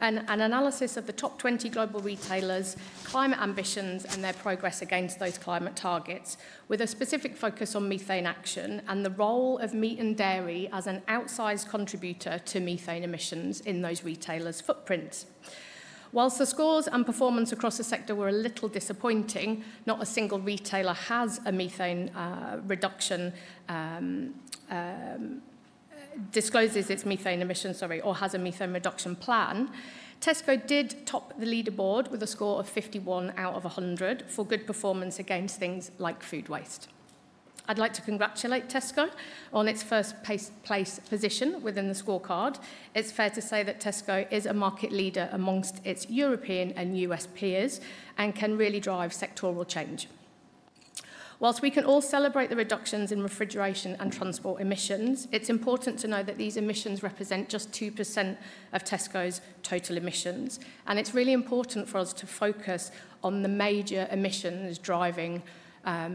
and an analysis of the top 20 global retailers' climate ambitions and their progress against those climate targets, with a specific focus on methane action and the role of meat and dairy as an outsized contributor to methane emissions in those retailers' footprints. Whilst the scores and performance across the sector were a little disappointing, not a single retailer discloses its methane emissions, sorry, or has a methane reduction plan. Tesco did top the leaderboard with a score of 51 out of 100 for good performance against things like food waste. I'd like to congratulate Tesco on its first place position within the scorecard. It's fair to say that Tesco is a market leader amongst its European and US peers and can really drive sectoral change. Whilst we can all celebrate the reductions in refrigeration and transport emissions, it's important to know that these emissions represent just 2% of Tesco's total emissions, and it's really important for us to focus on the major emissions driving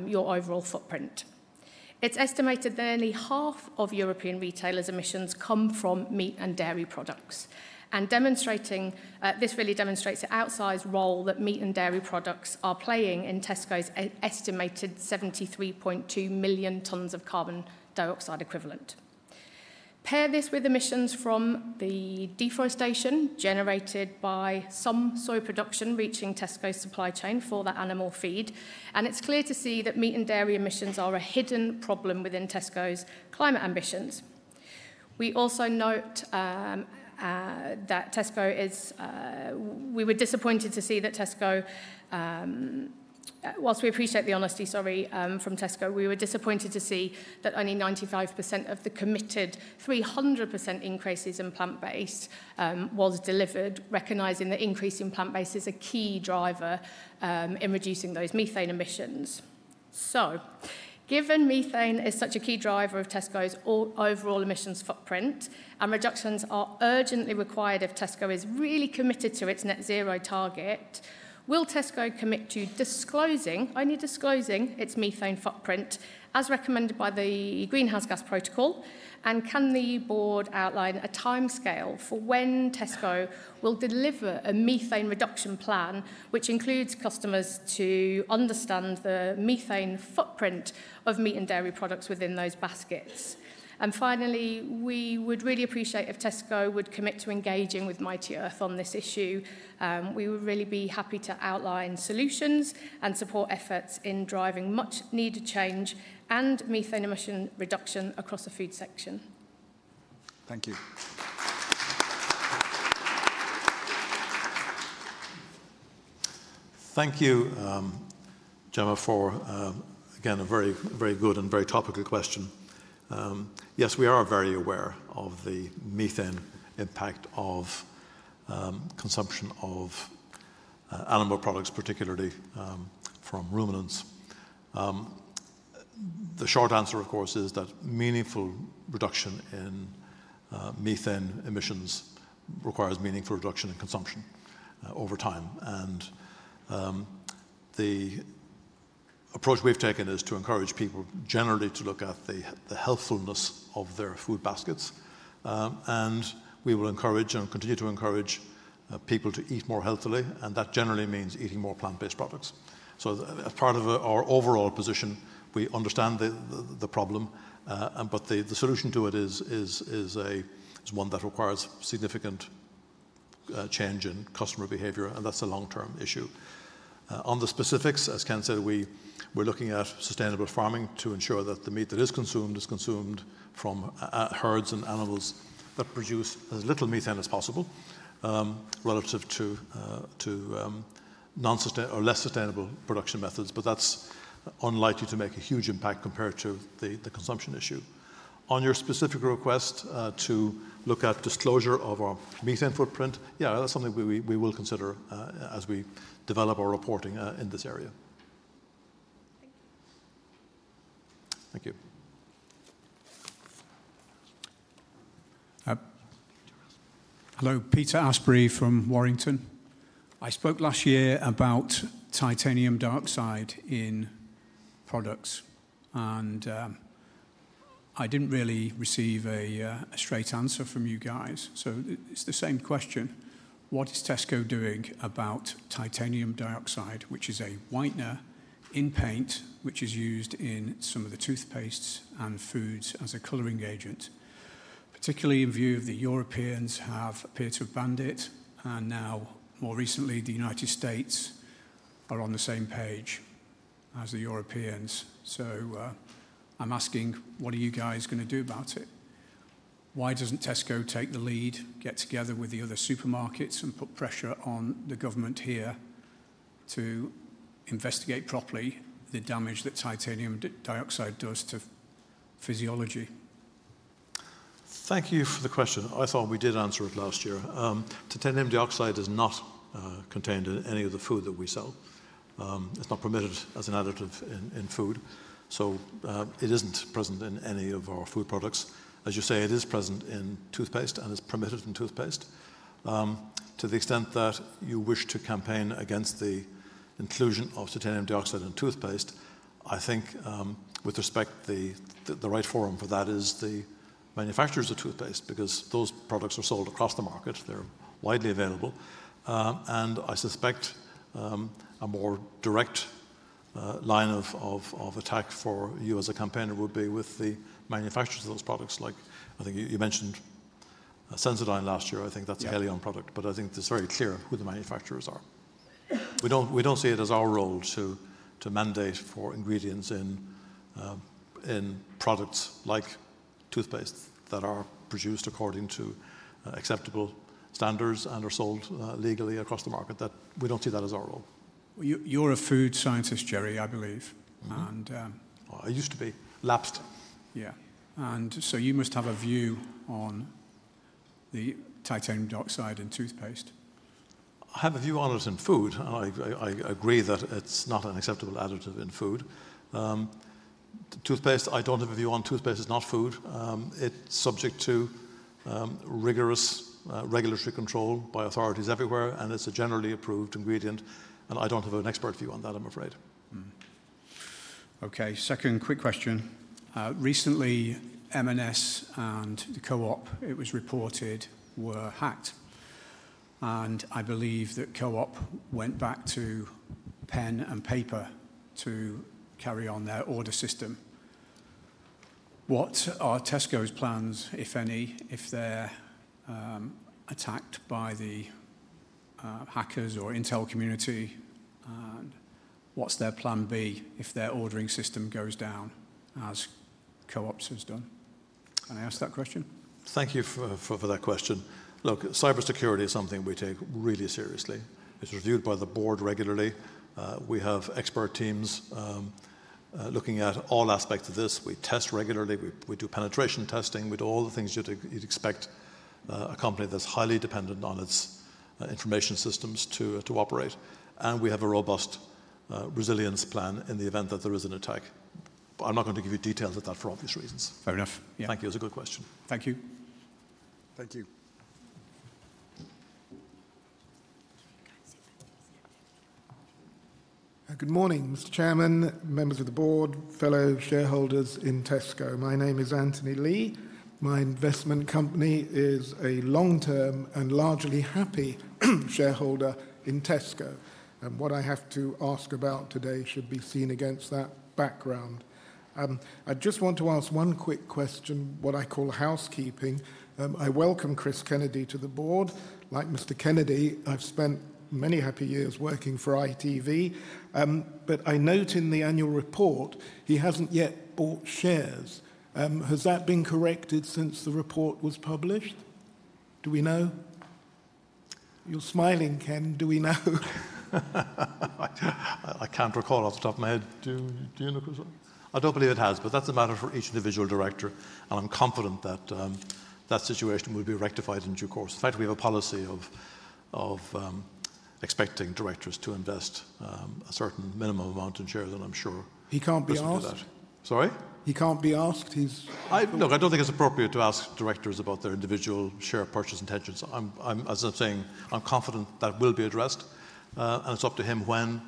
your overall footprint. It's estimated that only half of European retailers' emissions come from meat and dairy products. This really demonstrates the outsized role that meat and dairy products are playing in Tesco's estimated 73.2 million tons of carbon dioxide equivalent. Pair this with emissions from the deforestation generated by some soy production reaching Tesco's supply chain for the animal feed, and it's clear to see that meat and dairy emissions are a hidden problem within Tesco's climate ambitions. We also note that Tesco is, we were disappointed to see that Tesco, whilst we appreciate the honesty, sorry, from Tesco, we were disappointed to see that only 95% of the committed 300% increases in plant-based was delivered, recognizing the increase in plant-based is a key driver in reducing those methane emissions. Given methane is such a key driver of Tesco's overall emissions footprint and reductions are urgently required if Tesco is really committed to its net zero target, will Tesco commit to disclosing, only disclosing its methane footprint as recommended by the greenhouse gas protocol? Can the board outline a timescale for when Tesco will deliver a methane reduction plan, which includes customers to understand the methane footprint of meat and dairy products within those baskets? Finally, we would really appreciate if Tesco would commit to engaging with Mighty Earth on this issue. We would really be happy to outline solutions and support efforts in driving much-needed change and methane emission reduction across the food section. Thank you. Thank you, Gemma, for, again, a very good and very topical question. Yes, we are very aware of the methane impact of consumption of animal products, particularly from ruminants. The short answer, of course, is that meaningful reduction in methane emissions requires meaningful reduction in consumption over time. The approach we have taken is to encourage people generally to look at the healthfulness of their food baskets. We will encourage and continue to encourage people to eat more healthily, and that generally means eating more plant-based products. As part of our overall position, we understand the problem, but the solution to it is one that requires significant change in customer behavior, and that is a long-term issue. On the specifics, as Ken said, we're looking at sustainable farming to ensure that the meat that is consumed is consumed from herds and animals that produce as little methane as possible relative to non-sustainable or less sustainable production methods, but that's unlikely to make a huge impact compared to the consumption issue. On your specific request to look at disclosure of our methane footprint, yeah, that's something we will consider as we develop our reporting in this area. Thank you. Thank you. Hello, Peter Asprey from Warrington. I spoke last year about titanium dioxide in products, and I didn't really receive a straight answer from you guys. It's the same question. What is Tesco doing about titanium dioxide, which is a whitener in paint, which is used in some of the toothpastes and foods as a coloring agent, particularly in view of the Europeans have appeared to abandon it? Now, more recently, the United States are on the same page as the Europeans. I'm asking, what are you guys going to do about it? Why doesn't Tesco take the lead, get together with the other supermarkets, and put pressure on the government here to investigate properly the damage that titanium dioxide does to physiology? Thank you for the question. I thought we did answer it last year. Titanium dioxide is not contained in any of the food that we sell. It is not permitted as an additive in food. It is not present in any of our food products. As you say, it is present in toothpaste, and it is permitted in toothpaste. To the extent that you wish to campaign against the inclusion of titanium dioxide in toothpaste, I think with respect, the right forum for that is the manufacturers of toothpaste because those products are sold across the market. They are widely available. I suspect a more direct line of attack for you as a campaigner would be with the manufacturers of those products. I think you mentioned Sensodyne last year. I think that is a Haleon product, but I think it is very clear who the manufacturers are. We don't see it as our role to mandate for ingredients in products like toothpaste that are produced according to acceptable standards and are sold legally across the market. We don't see that as our role. You're a food scientist, Gerry, I believe. I used to be. Lapsed. Yeah. You must have a view on the titanium dioxide in toothpaste. I have a view on it in food. I agree that it's not an acceptable additive in food. Toothpaste, I don't have a view on. Toothpaste is not food. It's subject to rigorous regulatory control by authorities everywhere, and it's a generally approved ingredient. I don't have an expert view on that, I'm afraid. Okay. Second quick question. Recently, M&S and the Co-op, it was reported, were hacked. I believe that Co-op went back to pen and paper to carry on their order system. What are Tesco's plans, if any, if they're attacked by the hackers or Intel community? What's their plan B if their ordering system goes down, as Co-op's have done? Can I ask that question? Thank you for that question. Look, cybersecurity is something we take really seriously. It is reviewed by the board regularly. We have expert teams looking at all aspects of this. We test regularly. We do penetration testing. We do all the things you would expect a company that is highly dependent on its information systems to operate. We have a robust resilience plan in the event that there is an attack. I am not going to give you details of that for obvious reasons. Fair enough. Thank you. It's a good question. Thank you. Thank you. Good morning, Mr. Chairman, members of the board, fellow shareholders in Tesco. My name is Anthony Lee. My investment company is a long-term and largely happy shareholder in Tesco. What I have to ask about today should be seen against that background. I just want to ask one quick question, what I call housekeeping. I welcome Chris Kennedy to the board. Like Mr. Kennedy, I've spent many happy years working for ITV, but I note in the annual report he hasn't yet bought shares. Has that been corrected since the report was published? Do we know? You're smiling, Ken. Do we know? I can't recall off the top of my head. Do you know? I don't believe it has, but that's a matter for each individual director. I'm confident that that situation will be rectified in due course. In fact, we have a policy of expecting directors to invest a certain minimum amount in shares that I'm sure. He can't be arsed. Sorry? He can't be arsed. He's. Look, I don't think it's appropriate to ask directors about their individual share purchase intentions. As I'm saying, I'm confident that will be addressed, and it's up to him when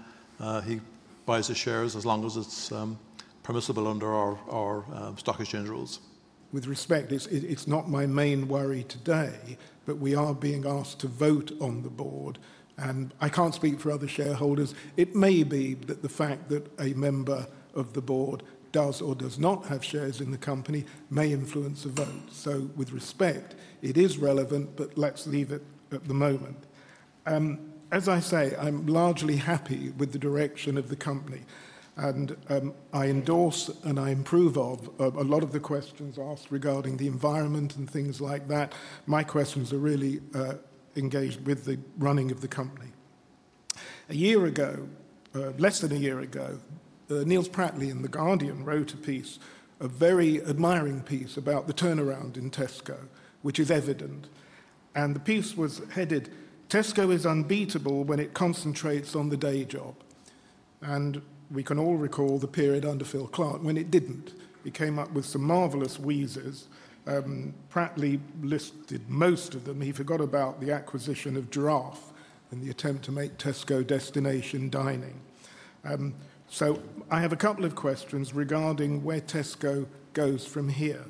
he buys his shares, as long as it's permissible under our stock exchange rules. With respect, it's not my main worry today, but we are being asked to vote on the board. I can't speak for other shareholders. It may be that the fact that a member of the board does or does not have shares in the company may influence a vote. With respect, it is relevant, but let's leave it at the moment. As I say, I'm largely happy with the direction of the company. I endorse and I approve of a lot of the questions asked regarding the environment and things like that. My questions are really engaged with the running of the company. A year ago, less than a year ago, Nils Pratley and The Guardian wrote a piece, a very admiring piece about the turnaround in Tesco, which is evident. The piece was headed, "Tesco is unbeatable when it concentrates on the day job." We can all recall the period under Phil Clarke when it did not. He came up with some marvelous wheezes. Pratley listed most of them. He forgot about the acquisition of Giraffe in the attempt to make Tesco destination dining. I have a couple of questions regarding where Tesco goes from here.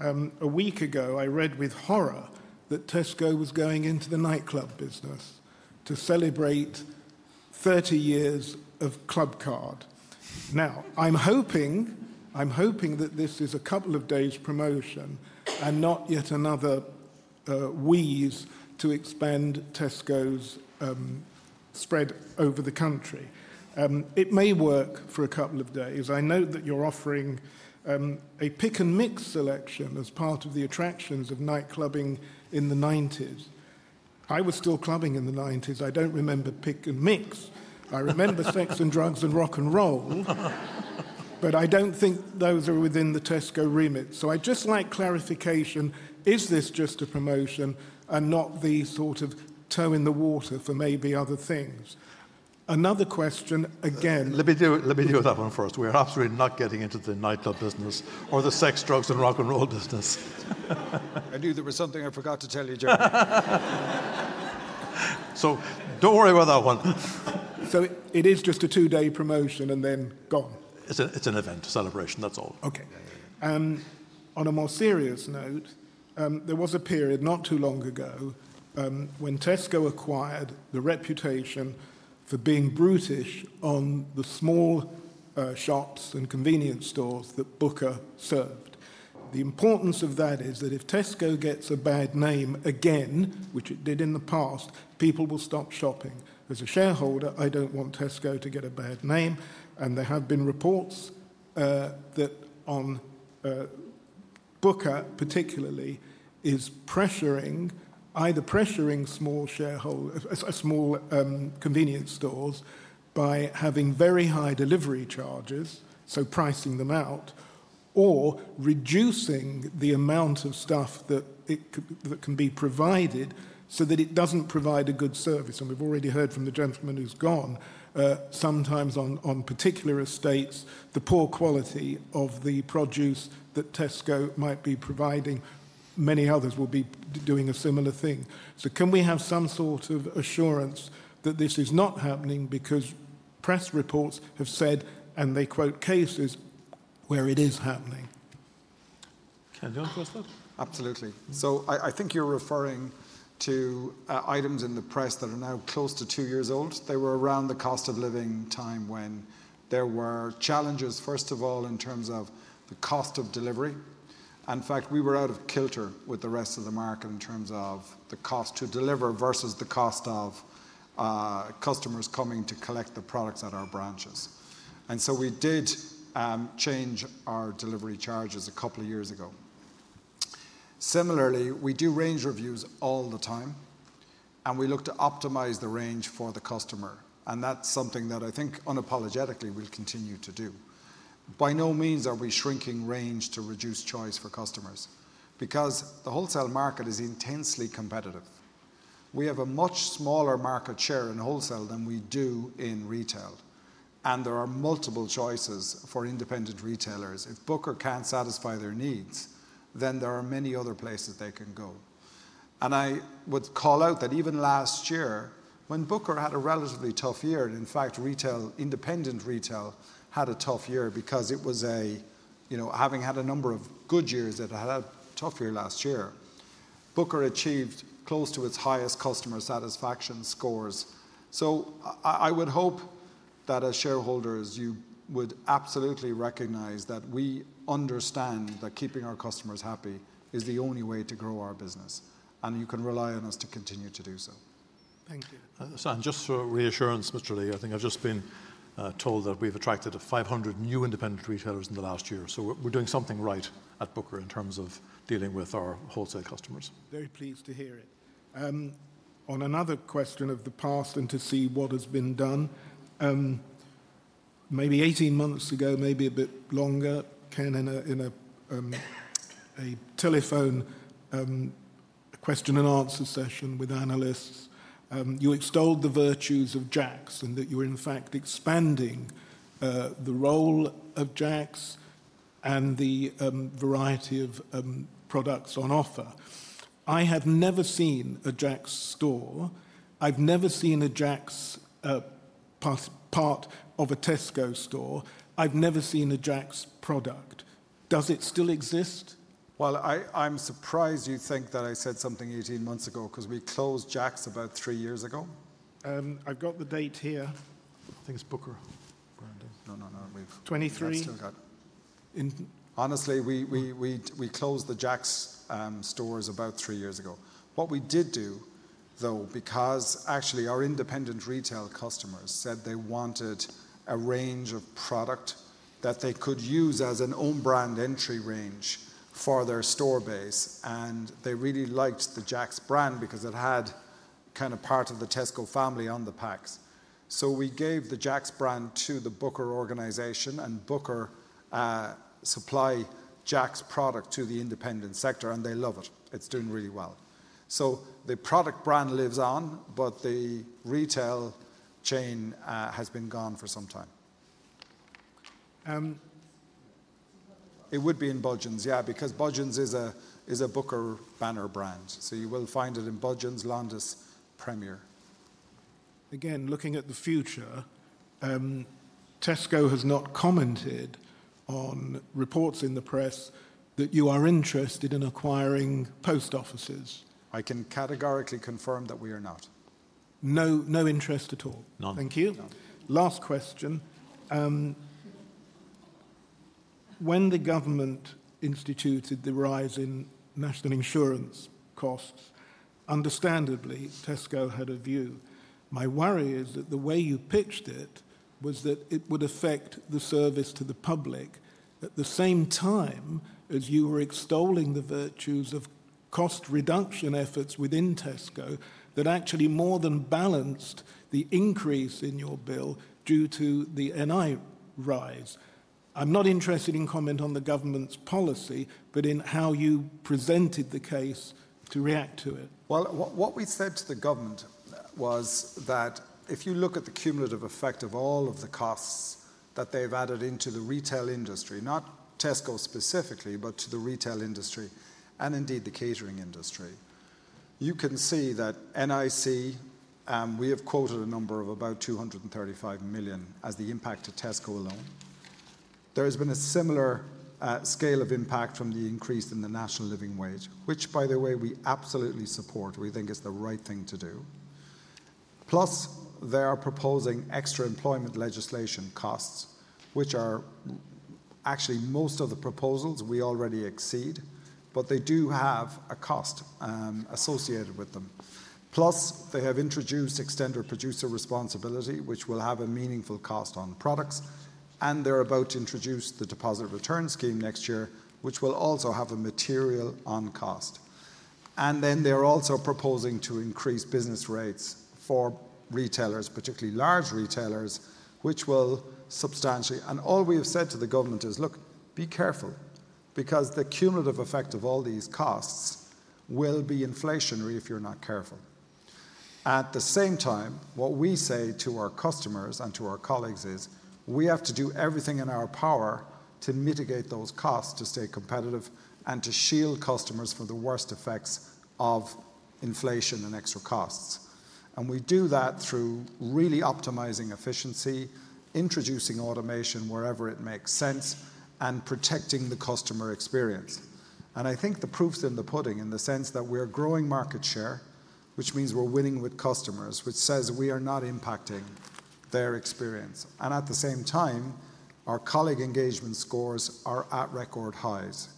A week ago, I read with horror that Tesco was going into the nightclub business to celebrate 30 years of Clubcard. Now, I am hoping that this is a couple of days' promotion and not yet another wheeze to expand Tesco's spread over the country. It may work for a couple of days. I know that you are offering a pick-and-mix selection as part of the attractions of nightclubbing in the 1990s. I was still clubbing in the 1990s. I do not remember pick-and-mix. I remember sex and drugs and rock and roll, but I don't think those are within the Tesco remit. So I'd just like clarification. Is this just a promotion and not the sort of toe in the water for maybe other things? Another question, again. Let me deal with that one first. We're absolutely not getting into the nightclub business or the sex, drugs, and rock and roll business. I knew there was something I forgot to tell you, Gerry. Don't worry about that one. It is just a two-day promotion and then gone? It's an event, a celebration. That's all. Okay. On a more serious note, there was a period not too long ago when Tesco acquired the reputation for being brutish on the small shops and convenience stores that Booker served. The importance of that is that if Tesco gets a bad name again, which it did in the past, people will stop shopping. As a shareholder, I do not want Tesco to get a bad name. There have been reports that Booker, particularly, is pressuring either pressuring small convenience stores by having very high delivery charges, so pricing them out, or reducing the amount of stuff that can be provided so that it does not provide a good service. We have already heard from the gentleman who is gone, sometimes on particular estates, the poor quality of the produce that Tesco might be providing. Many others will be doing a similar thing. Can we have some sort of assurance that this is not happening because press reports have said, and they quote cases, where it is happening? Ken, do you want to ask that? Absolutely. I think you're referring to items in the press that are now close to two years old. They were around the cost of living time when there were challenges, first of all, in terms of the cost of delivery. In fact, we were out of kilter with the rest of the market in terms of the cost to deliver versus the cost of customers coming to collect the products at our branches. We did change our delivery charges a couple of years ago. Similarly, we do range reviews all the time, and we look to optimize the range for the customer. That's something that I think unapologetically we'll continue to do. By no means are we shrinking range to reduce choice for customers because the wholesale market is intensely competitive. We have a much smaller market share in wholesale than we do in retail. There are multiple choices for independent retailers. If Booker cannot satisfy their needs, then there are many other places they can go. I would call out that even last year, when Booker had a relatively tough year, in fact, independent retail had a tough year because it was having had a number of good years, it had a tough year last year. Booker achieved close to its highest customer satisfaction scores. I would hope that as shareholders, you would absolutely recognize that we understand that keeping our customers happy is the only way to grow our business. You can rely on us to continue to do so. Thank you. Just for reassurance, Mr. Lee, I think I've just been told that we've attracted 500 new independent retailers in the last year. We are doing something right at Booker in terms of dealing with our wholesale customers. Very pleased to hear it. On another question of the past and to see what has been done, maybe 18 months ago, maybe a bit longer, Ken, in a telephone question-and-answer session with analysts, you extolled the virtues of Jax and that you were, in fact, expanding the role of Jax and the variety of products on offer. I have never seen a Jax store. I have never seen a Jax part of a Tesco store. I have never seen a Jax product. Does it still exist? I'm surprised you think that I said something 18 months ago because we closed Jax about three years ago. I've got the date here. I think it's Booker. No, no, no. 23. Honestly, we closed the Jax stores about three years ago. What we did do, though, because actually our independent retail customers said they wanted a range of product that they could use as an own brand entry range for their store base, and they really liked the Jax brand because it had kind of part of the Tesco family on the packs. So we gave the Jax brand to the Booker organization, and Booker supply Jax product to the independent sector, and they love it. It's doing really well. So the product brand lives on, but the retail chain has been gone for some time. It would be in Budgens, yeah, because Budgens is a Booker banner brand. You will find it in Budgens, Londis, Premier. Again, looking at the future, Tesco has not commented on reports in the press that you are interested in acquiring post offices. I can categorically confirm that we are not. No interest at all. None. Thank you. Last question. When the government instituted the rise in national insurance costs, understandably, Tesco had a view. My worry is that the way you pitched it was that it would affect the service to the public at the same time as you were extolling the virtues of cost reduction efforts within Tesco that actually more than balanced the increase in your bill due to the NI rise. I'm not interested in comment on the government's policy, but in how you presented the case to react to it. What we said to the government was that if you look at the cumulative effect of all of the costs that they have added into the retail industry, not Tesco specifically, but to the retail industry and indeed the catering industry, you can see that NIC, we have quoted a number of about 235 million as the impact to Tesco alone. There has been a similar scale of impact from the increase in the national living wage, which, by the way, we absolutely support. We think it is the right thing to do. Plus, they are proposing extra employment legislation costs, which are actually most of the proposals we already exceed, but they do have a cost associated with them. Plus, they have introduced extended producer responsibility, which will have a meaningful cost on products. They are about to introduce the deposit return scheme next year, which will also have a material on cost. They are also proposing to increase business rates for retailers, particularly large retailers, which will substantially. All we have said to the government is, "Look, be careful, because the cumulative effect of all these costs will be inflationary if you are not careful." At the same time, what we say to our customers and to our colleagues is we have to do everything in our power to mitigate those costs, to stay competitive, and to shield customers from the worst effects of inflation and extra costs. We do that through really optimizing efficiency, introducing automation wherever it makes sense, and protecting the customer experience. I think the proof's in the pudding in the sense that we're growing market share, which means we're winning with customers, which says we are not impacting their experience. At the same time, our colleague engagement scores are at record highs.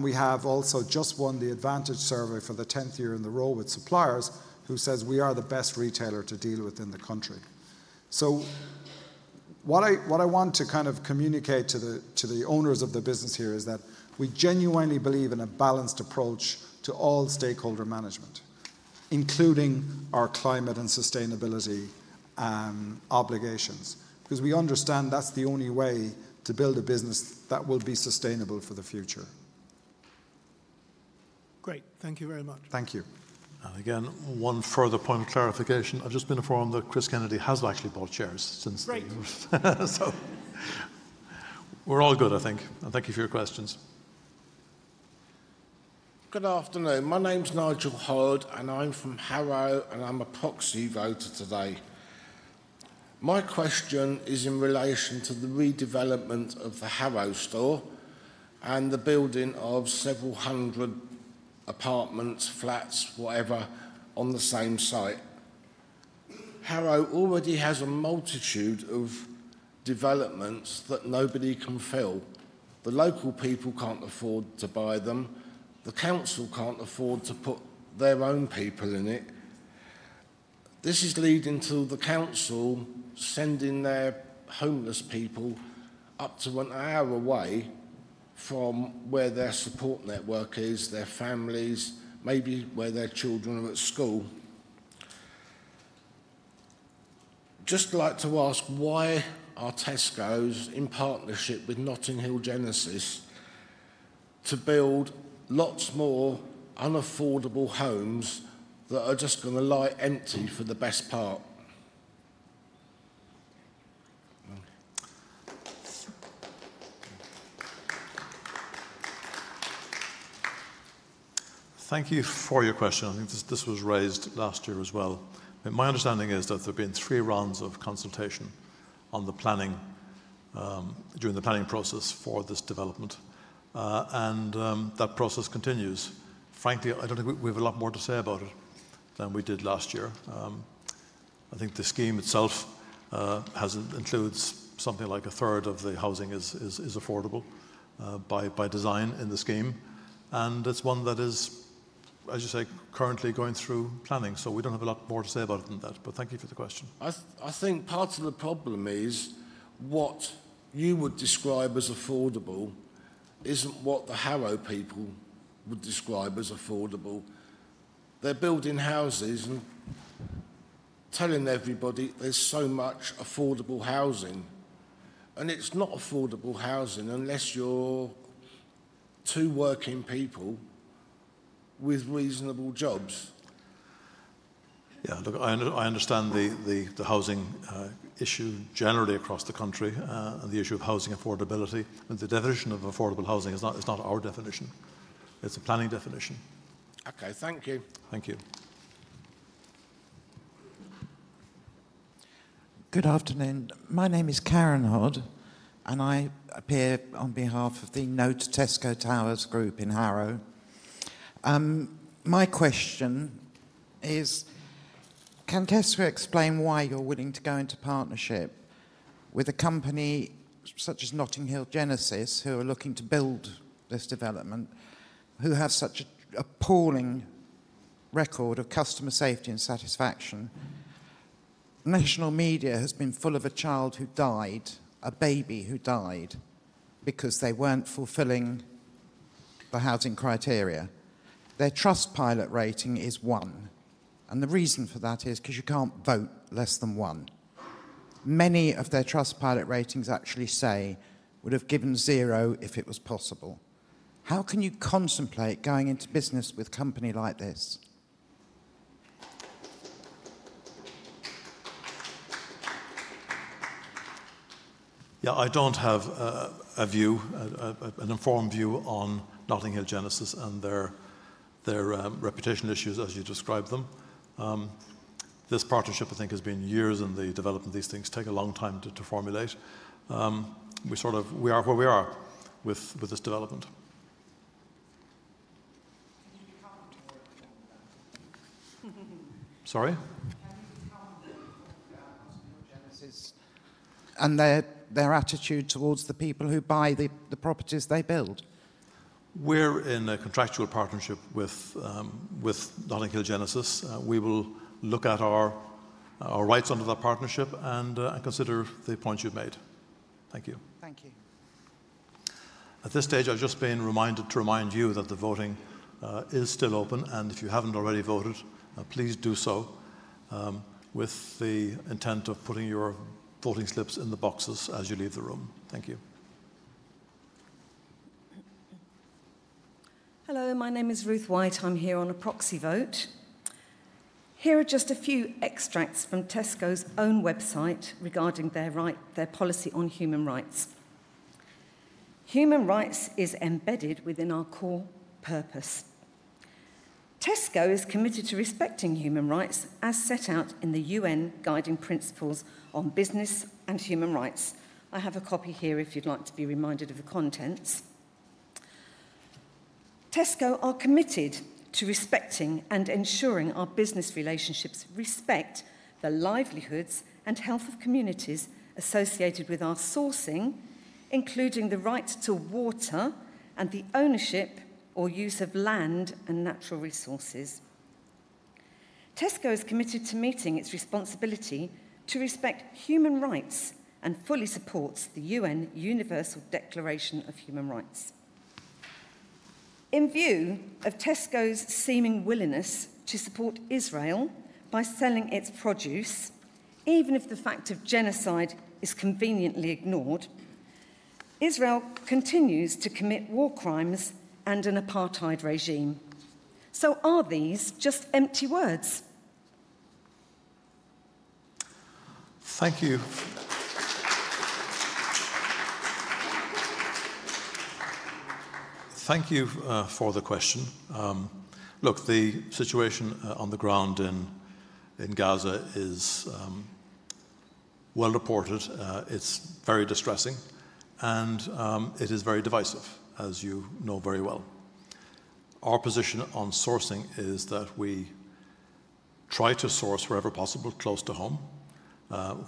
We have also just won the Advantage survey for the 10th year in the role with suppliers, who say we are the best retailer to deal with in the country. What I want to kind of communicate to the owners of the business here is that we genuinely believe in a balanced approach to all stakeholder management, including our climate and sustainability obligations, because we understand that's the only way to build a business that will be sustainable for the future. Great. Thank you very much. Thank you. Again, one further point of clarification. I've just been informed that Chris Kennedy has likely bought shares since the. Great. We're all good, I think. Thank you for your questions. Good afternoon. My name's Nigel Hoyd, and I'm from Harrow, and I'm a proxy voter today. My question is in relation to the redevelopment of the Harrow store and the building of several hundred apartments, flats, whatever, on the same site. Harrow already has a multitude of developments that nobody can fill. The local people can't afford to buy them. The council can't afford to put their own people in it. This is leading to the council sending their homeless people up to an hour away from where their support network is, their families, maybe where their children are at school. Just like to ask why are Tesco, in partnership with Notting Hill Genesis, to build lots more unaffordable homes that are just going to lie empty for the best part? Thank you for your question. I think this was raised last year as well. My understanding is that there have been three rounds of consultation during the planning process for this development, and that process continues. Frankly, I do not think we have a lot more to say about it than we did last year. I think the scheme itself includes something like a third of the housing is affordable by design in the scheme. It is one that is, as you say, currently going through planning. We do not have a lot more to say about it than that. Thank you for the question. I think part of the problem is what you would describe as affordable is not what the Harrow people would describe as affordable. They are building houses and telling everybody there is so much affordable housing. It is not affordable housing unless you are two working people with reasonable jobs. Yeah, look, I understand the housing issue generally across the country and the issue of housing affordability. The definition of affordable housing is not our definition. It's a planning definition. Okay, thank you. Thank you. Good afternoon. My name is Karen Hoyd, and I appear on behalf of the Know Tesco Towers group in Harrow. My question is, can Tesco explain why you're willing to go into partnership with a company such as Notting Hill Genesis, who are looking to build this development, who have such an appalling record of customer safety and satisfaction? National media has been full of a child who died, a baby who died because they were not fulfilling the housing criteria. Their Trustpilot rating is one. The reason for that is because you cannot vote less than one. Many of their Trustpilot ratings actually say would have given zero if it was possible. How can you contemplate going into business with a company like this? Yeah, I don't have a view, an informed view on Notting Hill Genesis and their reputation issues as you describe them. This partnership, I think, has been years in the development. These things take a long time to formulate. We sort of, we are where we are with this development. Can you become more than that? Sorry? Can you become more than that once you're Genesis? Their attitude towards the people who buy the properties they build? We're in a contractual partnership with Notting Hill Genesis. We will look at our rights under that partnership and consider the points you've made. Thank you. Thank you. At this stage, I've just been reminded to remind you that the voting is still open. If you haven't already voted, please do so with the intent of putting your voting slips in the boxes as you leave the room. Thank you. Hello, my name is Ruth White. I'm here on a proxy vote. Here are just a few extracts from Tesco's own website regarding their policy on human rights. Human rights is embedded within our core purpose. Tesco is committed to respecting human rights as set out in the UN Guiding Principles on Business and Human Rights. I have a copy here if you'd like to be reminded of the contents. Tesco are committed to respecting and ensuring our business relationships respect the livelihoods and health of communities associated with our sourcing, including the right to water and the ownership or use of land and natural resources. Tesco is committed to meeting its responsibility to respect human rights and fully supports the UN Universal Declaration of Human Rights. In view of Tesco's seeming willingness to support Israel by selling its produce, even if the fact of genocide is conveniently ignored, Israel continues to commit war crimes and an apartheid regime. Are these just empty words? Thank you. Thank you for the question. Look, the situation on the ground in Gaza is well reported. It is very distressing, and it is very divisive, as you know very well. Our position on sourcing is that we try to source wherever possible close to home.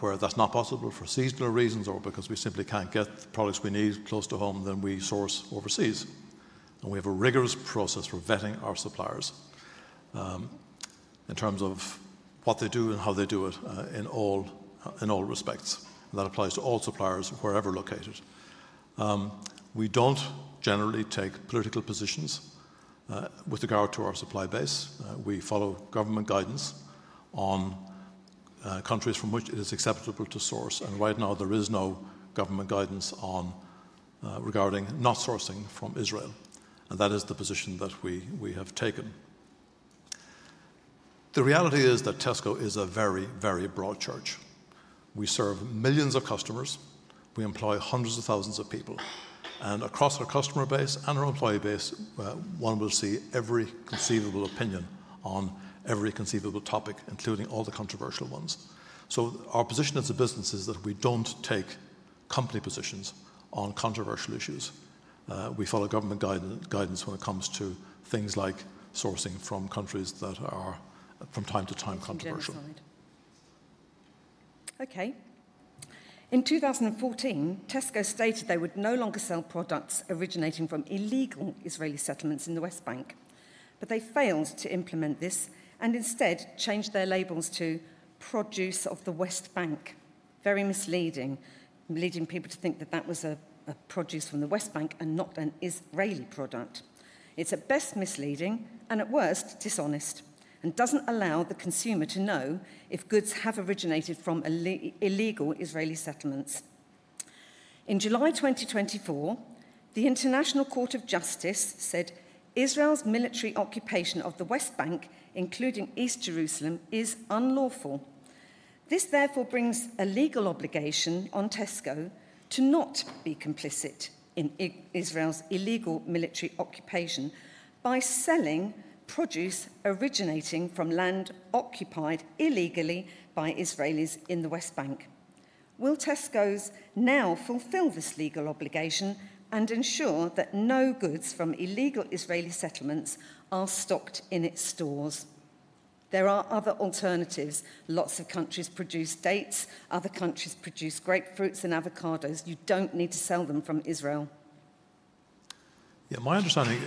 Where that is not possible for seasonal reasons or because we simply cannot get the products we need close to home, then we source overseas. We have a rigorous process for vetting our suppliers in terms of what they do and how they do it in all respects. That applies to all suppliers wherever located. We do not generally take political positions with regard to our supply base. We follow government guidance on countries from which it is acceptable to source. Right now, there is no government guidance regarding not sourcing from Israel. That is the position that we have taken. The reality is that Tesco is a very, very broad church. We serve millions of customers. We employ hundreds of thousands of people. Across our customer base and our employee base, one will see every conceivable opinion on every conceivable topic, including all the controversial ones. Our position as a business is that we do not take company positions on controversial issues. We follow government guidance when it comes to things like sourcing from countries that are from time to time controversial. Okay. In 2014, Tesco stated they would no longer sell products originating from illegal Israeli settlements in the West Bank. They failed to implement this and instead changed their labels to produce of the West Bank. Very misleading, leading people to think that that was a produce from the West Bank and not an Israeli product. It is at best misleading and at worst dishonest and does not allow the consumer to know if goods have originated from illegal Israeli settlements. In July 2024, the International Court of Justice said Israel's military occupation of the West Bank, including East Jerusalem, is unlawful. This therefore brings a legal obligation on Tesco to not be complicit in Israel's illegal military occupation by selling produce originating from land occupied illegally by Israelis in the West Bank. Will Tesco now fulfill this legal obligation and ensure that no goods from illegal Israeli settlements are stocked in its stores? There are other alternatives. Lots of countries produce dates. Other countries produce grapefruits and avocados. You do not need to sell them from Israel. Yeah, my understanding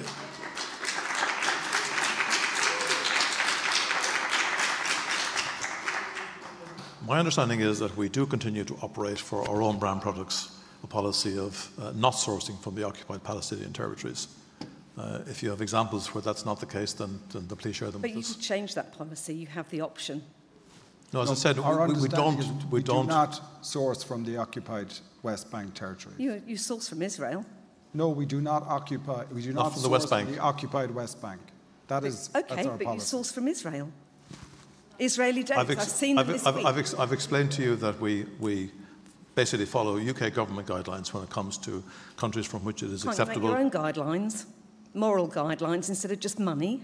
is that we do continue to operate for our own brand products the policy of not sourcing from the occupied Palestinian territories. If you have examples where that's not the case, then please share them. You can change that policy. You have the option. No, as I said, we don't. We do not source from the occupied West Bank territory. You source from Israel. No, we do not occupy. Not from the West Bank. We occupy the West Bank. That is our policy. Okay, but you source from Israel. Israeli data, I've seen this. I've explained to you that we basically follow U.K. government guidelines when it comes to countries from which it is acceptable. We follow our own guidelines, moral guidelines instead of just money.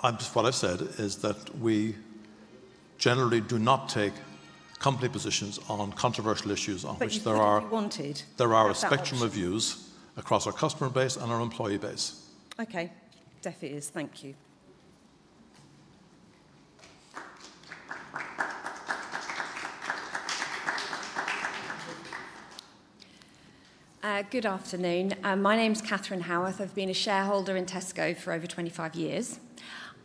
What I've said is that we generally do not take company positions on controversial issues on which there are. Which are wanted. There are a spectrum of views across our customer base and our employee base. Okay, deaf ears. Thank you. Good afternoon. My name's Katherine Howarth. I've been a shareholder in Tesco for over 25 years.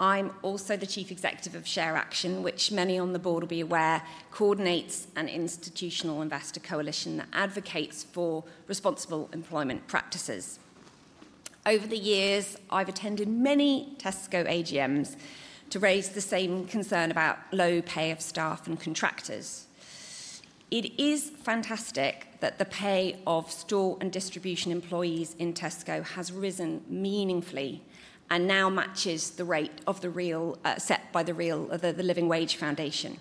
I'm also the Chief Executive of Share Action, which many on the board will be aware, coordinates an institutional investor coalition that advocates for responsible employment practices. Over the years, I've attended many Tesco AGMs to raise the same concern about low pay of staff and contractors. It is fantastic that the pay of store and distribution employees in Tesco has risen meaningfully and now matches the rate set by the Living Wage Foundation.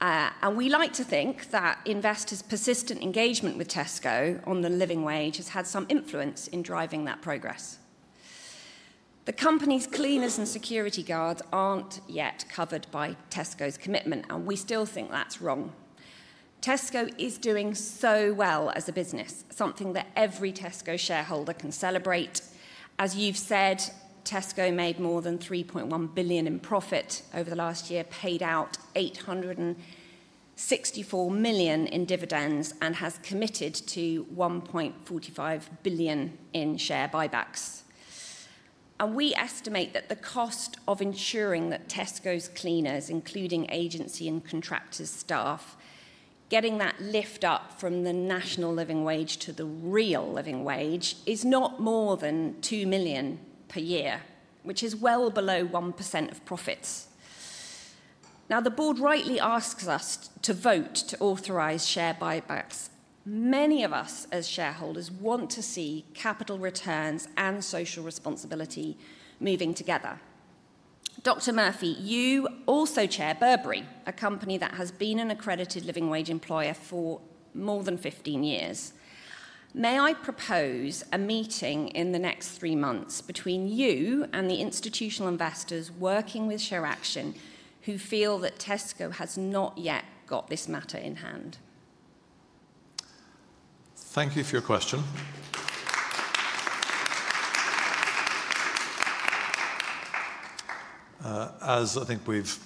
We like to think that investors' persistent engagement with Tesco on the Living Wage has had some influence in driving that progress. The company's cleaners and security guards aren't yet covered by Tesco's commitment, and we still think that's wrong. Tesco is doing so well as a business, something that every Tesco shareholder can celebrate. As you've said, Tesco made more than 3.1 billion in profit over the last year, paid out 864 million in dividends, and has committed to 1.45 billion in share buybacks. We estimate that the cost of ensuring that Tesco's cleaners, including agency and contractors' staff, getting that lift up from the national Living Wage to the real Living Wage is not more than 2 million per year, which is well below 1% of profits. Now, the board rightly asks us to vote to authorize share buybacks. Many of us as shareholders want to see capital returns and social responsibility moving together. Dr. Murphy, you also chair Burberry, a company that has been an accredited Living Wage employer for more than 15 years. May I propose a meeting in the next three months between you and the institutional investors working with Share Action who feel that Tesco has not yet got this matter in hand? Thank you for your question. As I think we've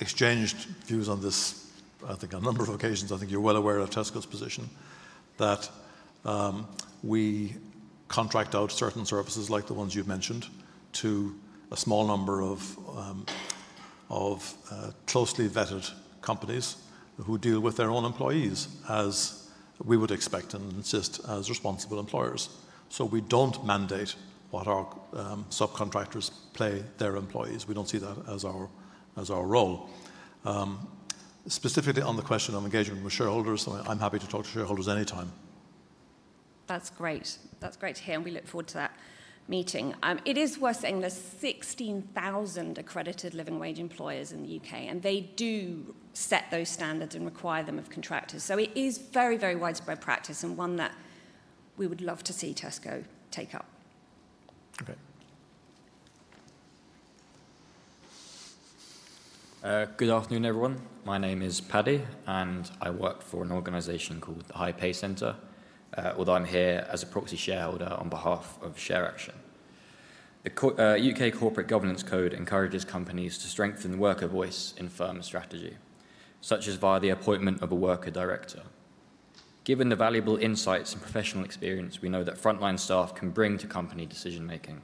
exchanged views on this, I think on a number of occasions, I think you're well aware of Tesco's position, that we contract out certain services like the ones you've mentioned to a small number of closely vetted companies who deal with their own employees as we would expect and insist as responsible employers. We don't mandate what our subcontractors pay their employees. We don't see that as our role. Specifically on the question of engagement with shareholders, I'm happy to talk to shareholders anytime. That's great. That's great to hear, and we look forward to that meeting. It is worth saying there's 16,000 accredited Living Wage employers in the U.K., and they do set those standards and require them of contractors. It is very, very widespread practice and one that we would love to see Tesco take up. Okay. Good afternoon, everyone. My name is Paddy, and I work for an organization called the High Pay Center, although I'm here as a proxy shareholder on behalf of Share Action. The U.K. Corporate Governance Code encourages companies to strengthen the worker voice in firm strategy, such as via the appointment of a worker director. Given the valuable insights and professional experience, we know that frontline staff can bring to company decision-making.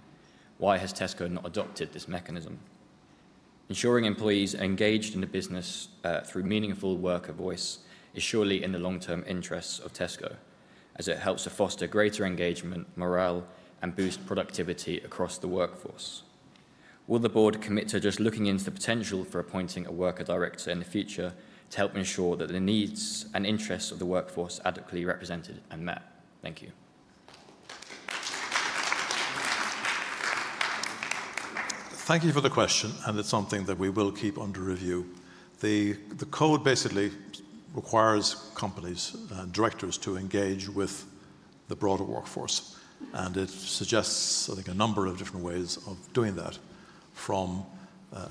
Why has Tesco not adopted this mechanism? Ensuring employees are engaged in the business through meaningful worker voice is surely in the long-term interests of Tesco, as it helps to foster greater engagement, morale, and boost productivity across the workforce. Will the board commit to just looking into the potential for appointing a worker director in the future to help ensure that the needs and interests of the workforce are adequately represented and met? Thank you. Thank you for the question, and it's something that we will keep under review. The code basically requires companies and directors to engage with the broader workforce. It suggests, I think, a number of different ways of doing that. From,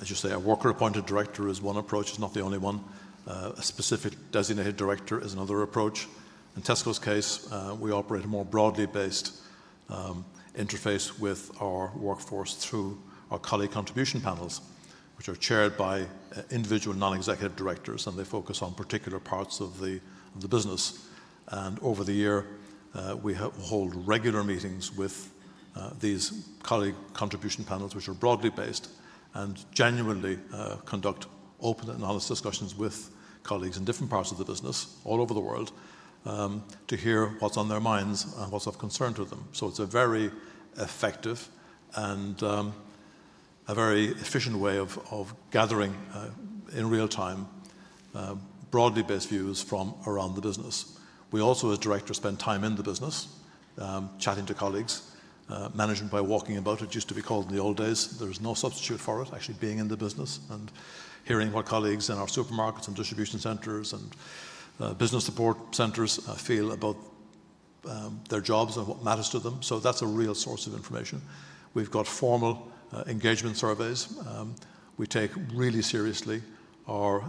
as you say, a worker-appointed director is one approach. It's not the only one. A specific designated director is another approach. In Tesco's case, we operate a more broadly based interface with our workforce through our colleague contribution panels, which are chaired by individual non-executive directors, and they focus on particular parts of the business. Over the year, we hold regular meetings with these colleague contribution panels, which are broadly based, and genuinely conduct open and honest discussions with colleagues in different parts of the business all over the world to hear what's on their minds and what's of concern to them. It is a very effective and a very efficient way of gathering in real time broadly based views from around the business. We also, as directors, spend time in the business chatting to colleagues. Management by walking about, it used to be called in the old days. There is no substitute for it, actually being in the business and hearing what colleagues in our supermarkets and distribution centers and business support centers feel about their jobs and what matters to them. That is a real source of information. We have formal engagement surveys. We take really seriously our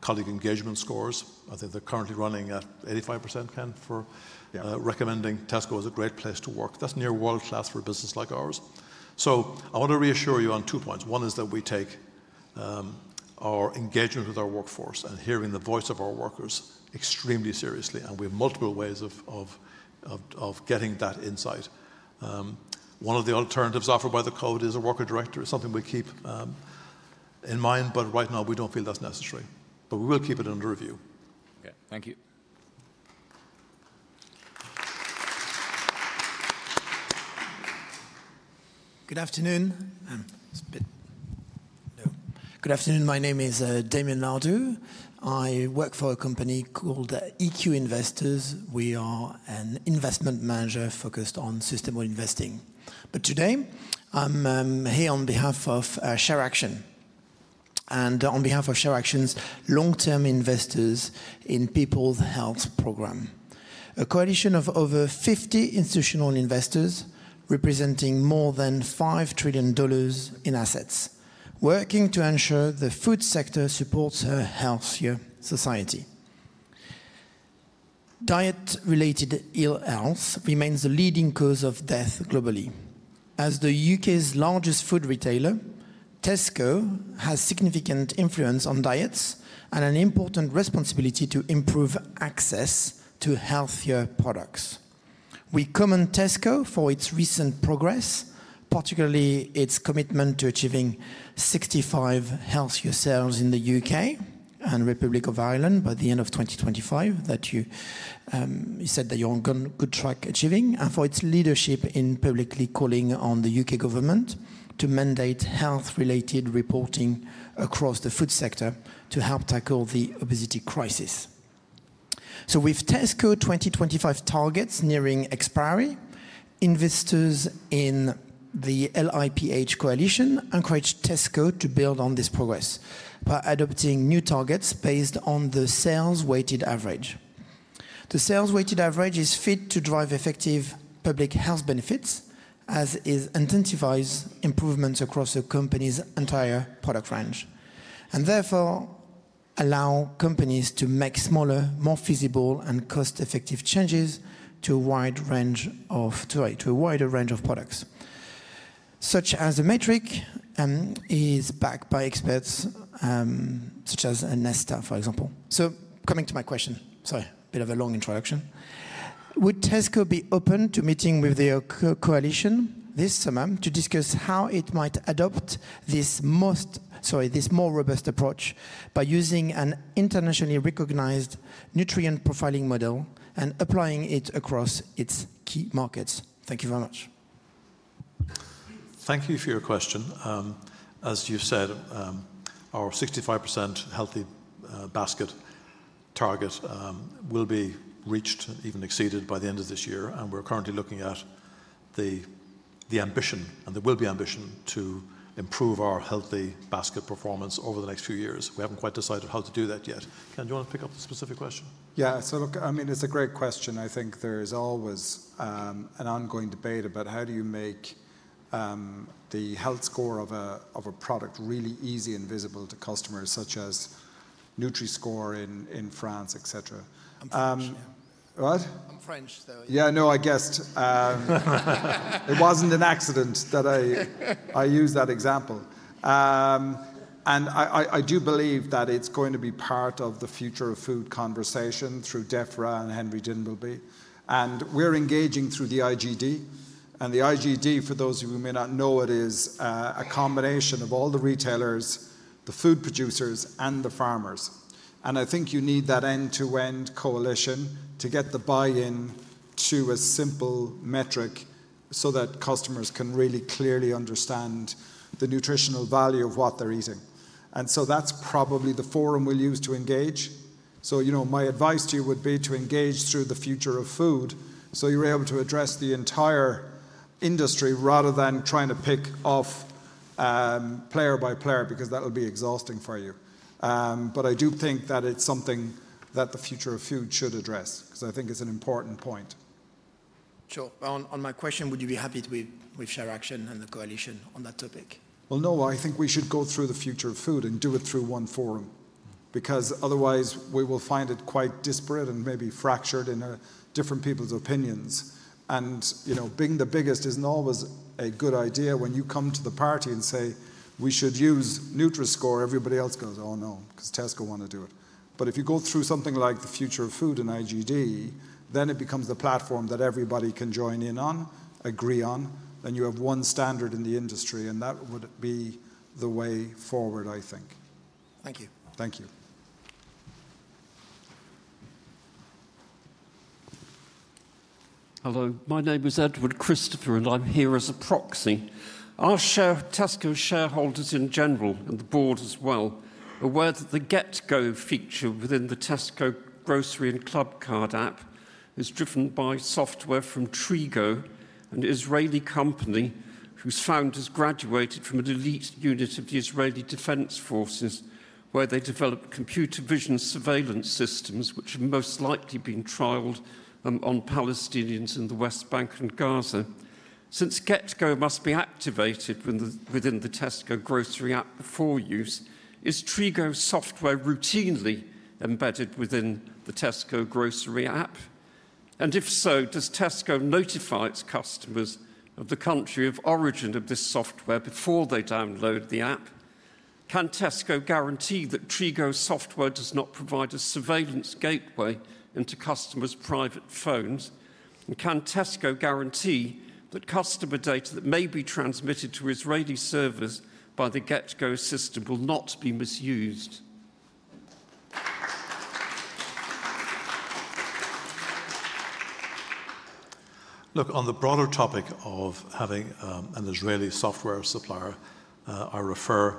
colleague engagement scores. I think they are currently running at 85%, Ken, for recommending Tesco as a great place to work. That is near world-class for a business like ours. I want to reassure you on two points. One is that we take our engagement with our workforce and hearing the voice of our workers extremely seriously, and we have multiple ways of getting that insight. One of the alternatives offered by the code is a worker director. It is something we keep in mind, right now, we do not feel that is necessary. We will keep it under review. Okay, thank you. Good afternoon. Good afternoon. My name is Damien Lardoux. I work for a company called EQ Investors. We are an investment manager focused on system investing. Today, I am here on behalf of Share Action and on behalf of Share Action's long-term investors in People's Health Program, a coalition of over 50 institutional investors representing more than $5 trillion in assets, working to ensure the food sector supports a healthier society. Diet-related ill health remains the leading cause of death globally. As the U.K.'s largest food retailer, Tesco has significant influence on diets and an important responsibility to improve access to healthier products. We commend Tesco for its recent progress, particularly its commitment to achieving 65 healthier sales in the U.K. and Republic of Ireland by the end of 2025 that you said that you're on a good track achieving, and for its leadership in publicly calling on the U.K. government to mandate health-related reporting across the food sector to help tackle the obesity crisis. With Tesco 2025 targets nearing expiry, investors in the LIPH coalition encourage Tesco to build on this progress by adopting new targets based on the sales-weighted average. The sales-weighted average is fit to drive effective public health benefits, as it intensifies improvements across a company's entire product range and therefore allows companies to make smaller, more feasible, and cost-effective changes to a wider range of products, such as a matrix is backed by experts such as Nesta, for example. Coming to my question, sorry, a bit of a long introduction. Would Tesco be open to meeting with their coalition this summer to discuss how it might adopt this more robust approach by using an internationally recognized nutrient profiling model and applying it across its key markets? Thank you very much. Thank you for your question. As you've said, our 65% healthy basket target will be reached, even exceeded by the end of this year. We are currently looking at the ambition and there will be ambition to improve our healthy basket performance over the next few years. We haven't quite decided how to do that yet. Ken, do you want to pick up the specific question? Yeah, so look, I mean, it's a great question. I think there is always an ongoing debate about how do you make the health score of a product really easy and visible to customers, such as Nutri-Score in France, etc. I'm French, yeah. What? I'm French, though. Yeah, no, I guessed. It wasn't an accident that I used that example. I do believe that it's going to be part of the future of food conversation through DEFRA and Henry Dimbleby. We're engaging through the IGD. The IGD, for those of you who may not know what it is, is a combination of all the retailers, the food producers, and the farmers. I think you need that end-to-end coalition to get the buy-in to a simple metric so that customers can really clearly understand the nutritional value of what they're eating. That's probably the forum we'll use to engage. My advice to you would be to engage through the future of food so you're able to address the entire industry rather than trying to pick off player by player, because that will be exhausting for you. I do think that it's something that the future of food should address because I think it's an important point. Sure. On my question, would you be happy with Share Action and the coalition on that topic? I think we should go through the future of food and do it through one forum, because otherwise we will find it quite disparate and maybe fractured in different people's opinions. Being the biggest is not always a good idea. When you come to the party and say, "We should use Nutri-Score," everybody else goes, "Oh, no," because Tesco want to do it. If you go through something like the future of food and IGD, then it becomes the platform that everybody can join in on, agree on, and you have one standard in the industry, and that would be the way forward, I think. Thank you. Thank you. Hello, my name is Edward Christopher, and I'm here as a proxy. I'll share Tesco shareholders in general and the board as well, aware that the GetGo feature within the Tesco Grocery and Clubcard app is driven by software from Trigo, an Israeli company whose founders graduated from an elite unit of the Israeli Defense Forces, where they developed computer vision surveillance systems, which have most likely been trialed on Palestinians in the West Bank and Gaza. Since GetGo must be activated within the Tesco Grocery app before use, is Trigo software routinely embedded within the Tesco Grocery app? If so, does Tesco notify its customers of the country of origin of this software before they download the app? Can Tesco guarantee that Trigo software does not provide a surveillance gateway into customers' private phones? Can Tesco guarantee that customer data that may be transmitted to Israeli servers by the GetGo system will not be misused? Look, on the broader topic of having an Israeli software supplier, I refer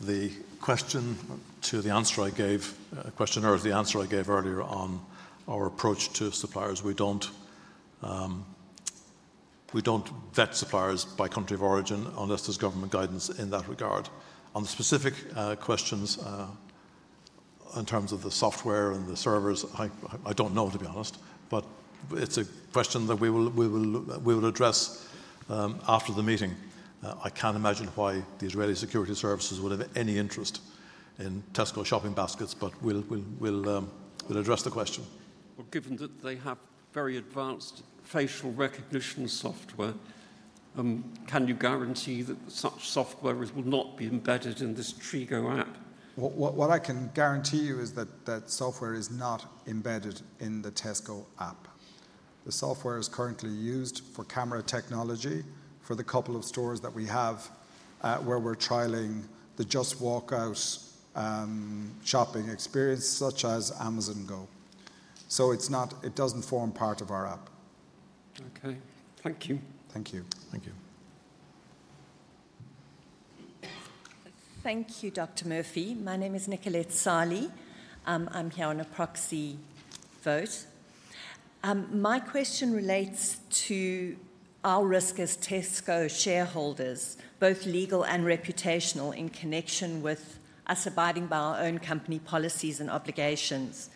the question to the answer I gave, question or the answer I gave earlier on our approach to suppliers. We do not vet suppliers by country of origin unless there is government guidance in that regard. On the specific questions in terms of the software and the servers, I do not know, to be honest, but it is a question that we will address after the meeting. I cannot imagine why the Israeli security services would have any interest in Tesco shopping baskets, but we will address the question. Given that they have very advanced facial recognition software, can you guarantee that such software will not be embedded in this Trigo app? What I can guarantee you is that that software is not embedded in the Tesco app. The software is currently used for camera technology for the couple of stores that we have where we're trialing the Just Walk Out shopping experience, such as Amazon Go. It does not form part of our app. Okay, thank you. Thank you. Thank you. Thank you, Dr. Murphy. My name is Nicolette Sali. I'm here on a proxy vote. My question relates to our risk as Tesco shareholders, both legal and reputational, in connection with us abiding by our own company policies and obligations.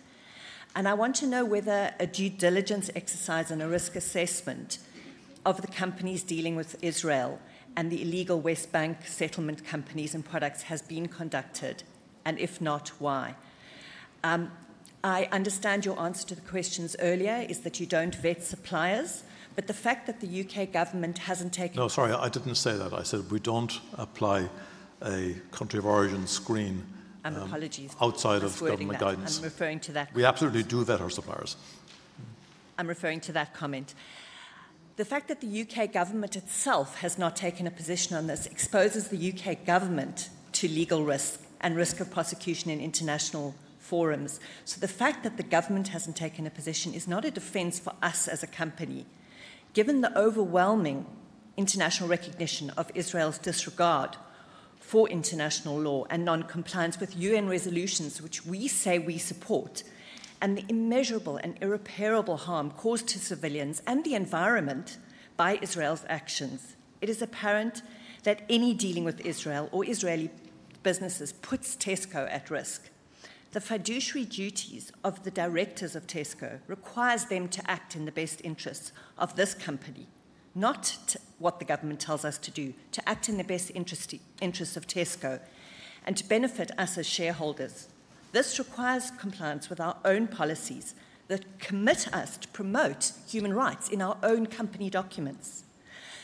I want to know whether a due diligence exercise and a risk assessment of the companies dealing with Israel and the illegal West Bank settlement companies and products has been conducted, and if not, why. I understand your answer to the questions earlier is that you don't vet suppliers, but the fact that the U.K. government hasn't taken. No, sorry, I didn't say that. I said we don't apply a country of origin screen. I'm apologies. Outside of government guidance. I'm referring to that. We absolutely do vet our suppliers. I'm referring to that comment. The fact that the U.K. government itself has not taken a position on this exposes the U.K. government to legal risk and risk of prosecution in international forums. The fact that the government hasn't taken a position is not a defense for us as a company. Given the overwhelming international recognition of Israel's disregard for international law and non-compliance with U.N. resolutions, which we say we support, and the immeasurable and irreparable harm caused to civilians and the environment by Israel's actions, it is apparent that any dealing with Israel or Israeli businesses puts Tesco at risk. The fiduciary duties of the directors of Tesco require them to act in the best interests of this company, not what the government tells us to do, to act in the best interests of Tesco and to benefit us as shareholders. This requires compliance with our own policies that commit us to promote human rights in our own company documents.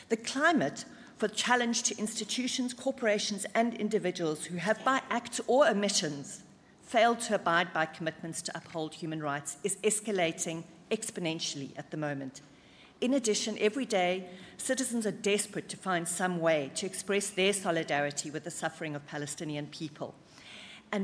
The climate for challenge to institutions, corporations, and individuals who have by acts or omissions failed to abide by commitments to uphold human rights is escalating exponentially at the moment. In addition, every day, citizens are desperate to find some way to express their solidarity with the suffering of Palestinian people.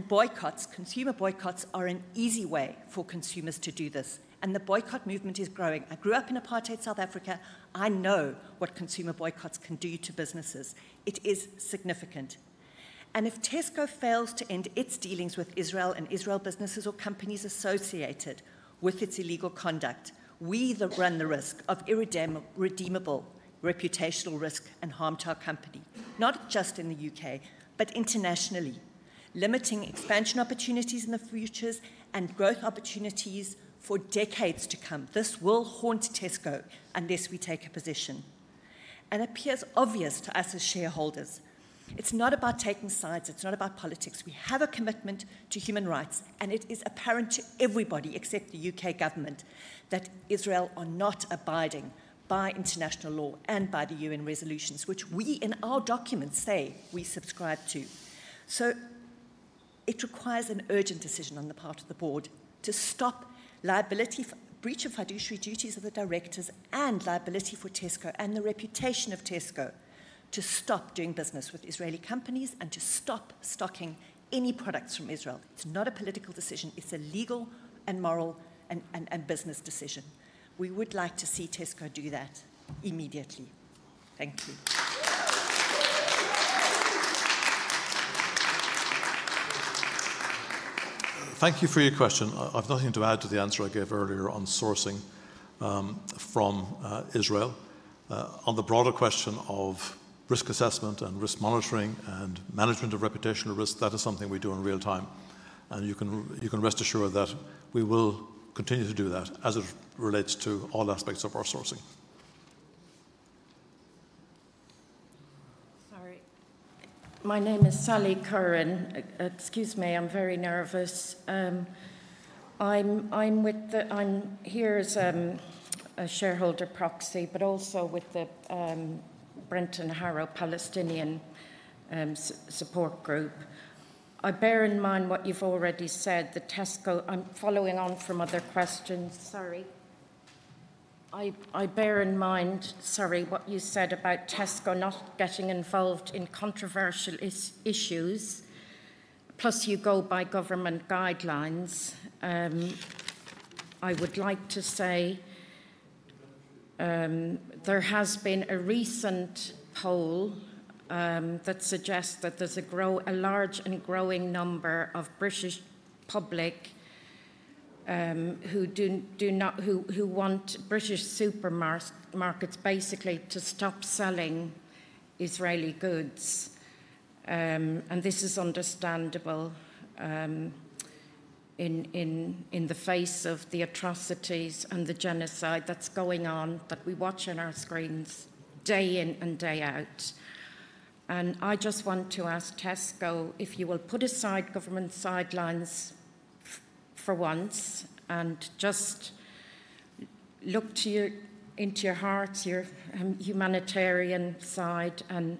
Boycotts, consumer boycotts are an easy way for consumers to do this, and the boycott movement is growing. I grew up in apartheid South Africa. I know what consumer boycotts can do to businesses. It is significant. If Tesco fails to end its dealings with Israel and Israel businesses or companies associated with its illegal conduct, we run the risk of irredeemable reputational risk and harm to our company, not just in the U.K., but internationally, limiting expansion opportunities in the future and growth opportunities for decades to come. This will haunt Tesco unless we take a position. It appears obvious to us as shareholders. It is not about taking sides. It is not about politics. We have a commitment to human rights, and it is apparent to everybody except the U.K. government that Israel are not abiding by international law and by the U.N. resolutions, which we in our documents say we subscribe to. It requires an urgent decision on the part of the board to stop liability for breach of fiduciary duties of the directors and liability for Tesco and the reputation of Tesco to stop doing business with Israeli companies and to stop stocking any products from Israel. It is not a political decision. It is a legal and moral and business decision. We would like to see Tesco do that immediately. Thank you. Thank you for your question. I've nothing to add to the answer I gave earlier on sourcing from Israel. On the broader question of risk assessment and risk monitoring and management of reputational risk, that is something we do in real time. You can rest assured that we will continue to do that as it relates to all aspects of our sourcing. Sorry. My name is Sally Curran. Excuse me, I'm very nervous. I'm here as a shareholder proxy, but also with the Brent Harrow Palestinian Support Group. I bear in mind what you've already said, Tesco. I'm following on from other questions. Sorry. I bear in mind, sorry, what you said about Tesco not getting involved in controversial issues, plus you go by government guidelines. I would like to say there has been a recent poll that suggests that there's a large and growing number of British public who want British supermarkets basically to stop selling Israeli goods. This is understandable in the face of the atrocities and the genocide that's going on that we watch on our screens day in and day out. I just want to ask Tesco if you will put aside government sidelines for once and just look into your heart, your humanitarian side, and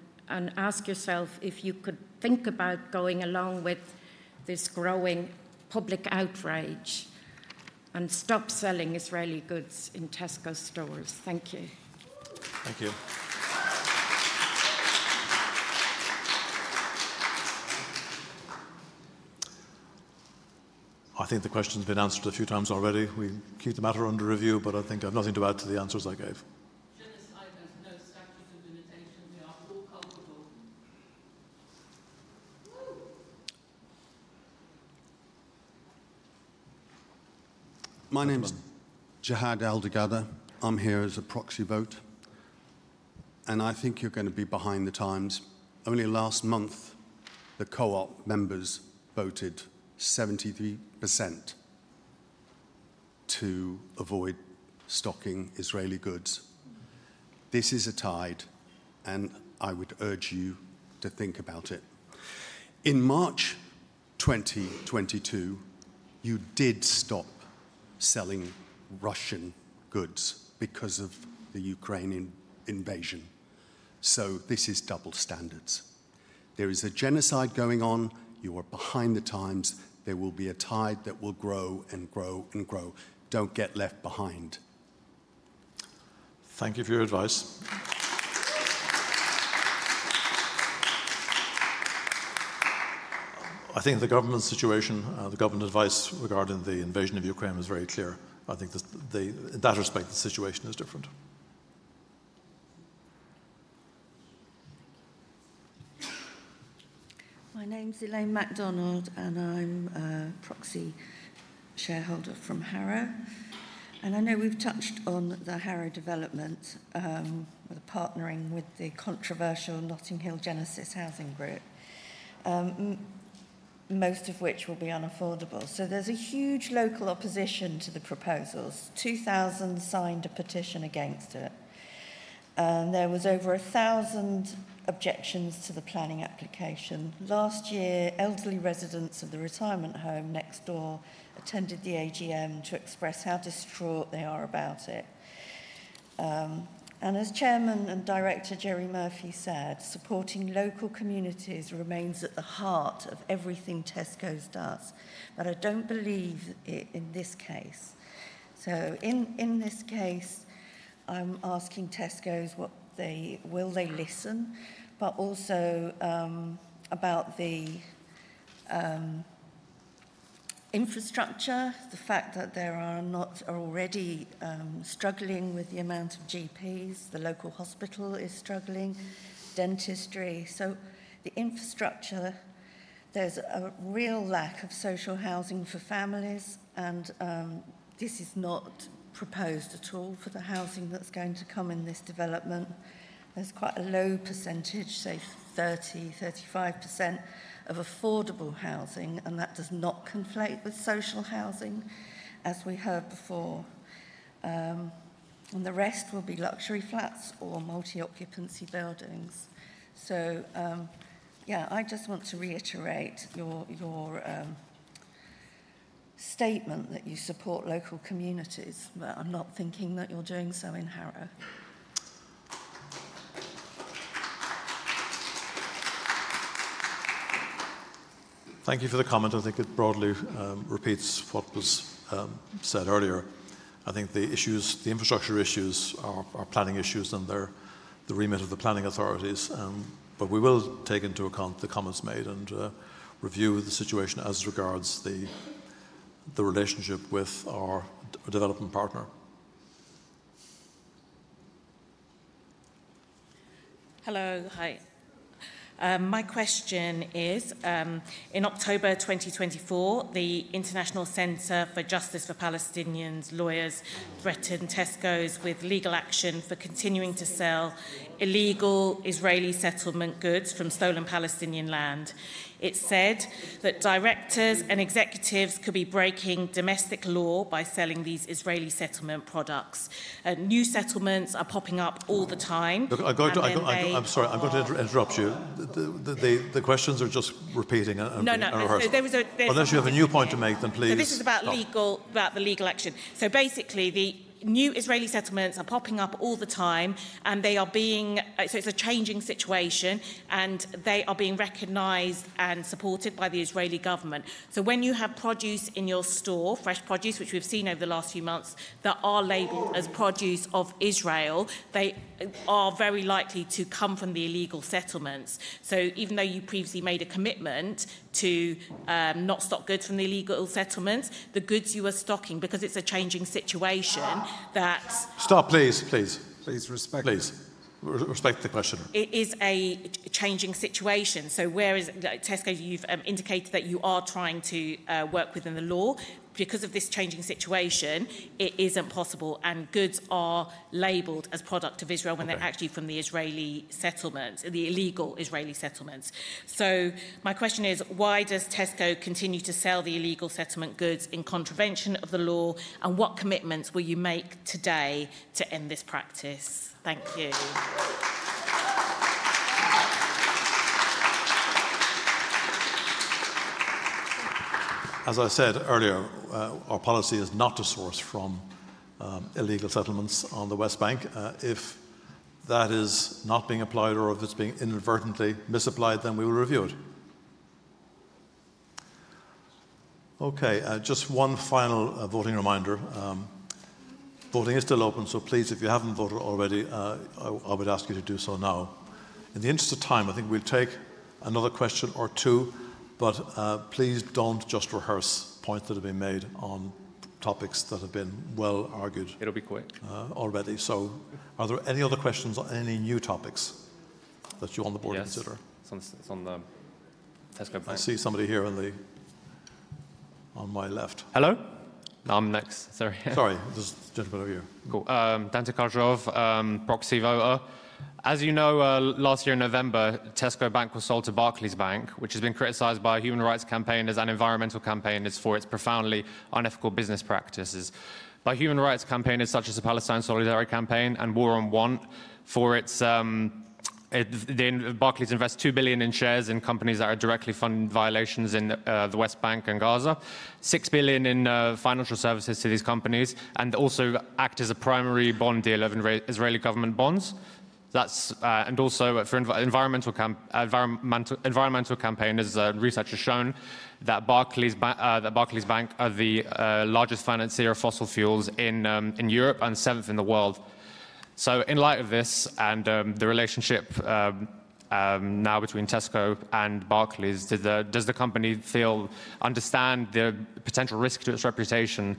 ask yourself if you could think about going along with this growing public outrage and stop selling Israeli goods in Tesco stores. Thank you. Thank you. I think the question has been answered a few times already. We keep the matter under review, but I think I have nothing to add to the answers I gave. Genocide has no statute of limitations. We are all culpable. My name is Jihad Aldegada. I'm here as a proxy vote. I think you're going to be behind the times. Only last month, the co-op members voted 73% to avoid stocking Israeli goods. This is a tide, and I would urge you to think about it. In March 2022, you did stop selling Russian goods because of the Ukrainian invasion. This is double standards. There is a genocide going on. You are behind the times. There will be a tide that will grow and grow and grow. Don't get left behind. Thank you for your advice. I think the government situation, the government advice regarding the invasion of Ukraine was very clear. I think in that respect, the situation is different. My name's Elaine McDonald, and I'm a proxy shareholder from Harrow. I know we've touched on the Harrow development, partnering with the controversial Notting Hill Genesis Housing Group, most of which will be unaffordable. There is a huge local opposition to the proposals. 2,000 signed a petition against it. There were over 1,000 objections to the planning application. Last year, elderly residents of the retirement home next door attended the AGM to express how distraught they are about it. As Chairman and Director Gerry Murphy said, supporting local communities remains at the heart of everything Tesco does, but I don't believe in this case. In this case, I'm asking Tesco will they listen, but also about the infrastructure, the fact that they are already struggling with the amount of GPs, the local hospital is struggling, dentistry. The infrastructure, there's a real lack of social housing for families. This is not proposed at all for the housing that's going to come in this development. There's quite a low percentage, say 30-35% of affordable housing, and that does not conflate with social housing, as we heard before. The rest will be luxury flats or multi-occupancy buildings. I just want to reiterate your statement that you support local communities, but I'm not thinking that you're doing so in Harrow. Thank you for the comment. I think it broadly repeats what was said earlier. I think the issues, the infrastructure issues are planning issues, and they are the remit of the planning authorities. We will take into account the comments made and review the situation as regards the relationship with our development partner. Hello. Hi. My question is, in October 2024, the International Center for Justice for Palestinian Lawyers threatened Tesco with legal action for continuing to sell illegal Israeli settlement goods from stolen Palestinian land. It said that directors and executives could be breaking domestic law by selling these Israeli settlement products. New settlements are popping up all the time. I'm sorry, I'm going to interrupt you. The questions are just repeating. No, no. Unless you have a new point to make, then please. This is about the legal action. Basically, the new Israeli settlements are popping up all the time, and they are being, so it's a changing situation, and they are being recognized and supported by the Israeli government. When you have produce in your store, fresh produce, which we've seen over the last few months, that are labeled as produce of Israel, they are very likely to come from the illegal settlements. Even though you previously made a commitment to not stock goods from the illegal settlements, the goods you are stocking, because it's a changing situation, that. Stop, please. Please. Please respect. Please respect the questioner. It is a changing situation. Whereas Tesco, you've indicated that you are trying to work within the law, because of this changing situation, it isn't possible. Goods are labeled as product of Israel when they're actually from the Israeli settlements, the illegal Israeli settlements. My question is, why does Tesco continue to sell the illegal settlement goods in contravention of the law? What commitments will you make today to end this practice? Thank you. As I said earlier, our policy is not to source from illegal settlements on the West Bank. If that is not being applied or if it's being inadvertently misapplied, then we will review it. Okay, just one final voting reminder. Voting is still open, so please, if you haven't voted already, I would ask you to do so now. In the interest of time, I think we'll take another question or two, but please don't just rehearse points that have been made on topics that have been well argued. It'll be quick. Already. Are there any other questions on any new topics that you want the board to consider? Yes. It's on the Tesco Bank. I see somebody here on my left. Hello? No, I'm next. Sorry. Sorry. This gentleman over here. Cool. Dan Tycharzow, proxy voter. As you know, last year in November, Tesco Bank was sold to Barclays, which has been criticized by a human rights campaign as an environmental campaign for its profoundly unethical business practices. By human rights campaigners such as the Palestine Solidarity Campaign and War on Want, Barclays invests 2 billion in shares in companies that are directly funding violations in the West Bank and Gaza, 6 billion in financial services to these companies, and also acts as a primary bond dealer of Israeli government bonds. Also, for environmental campaigners, research has shown that Barclays is the largest financier of fossil fuels in Europe and seventh in the world. In light of this and the relationship now between Tesco and Barclays, does the company understand the potential risk to its reputation,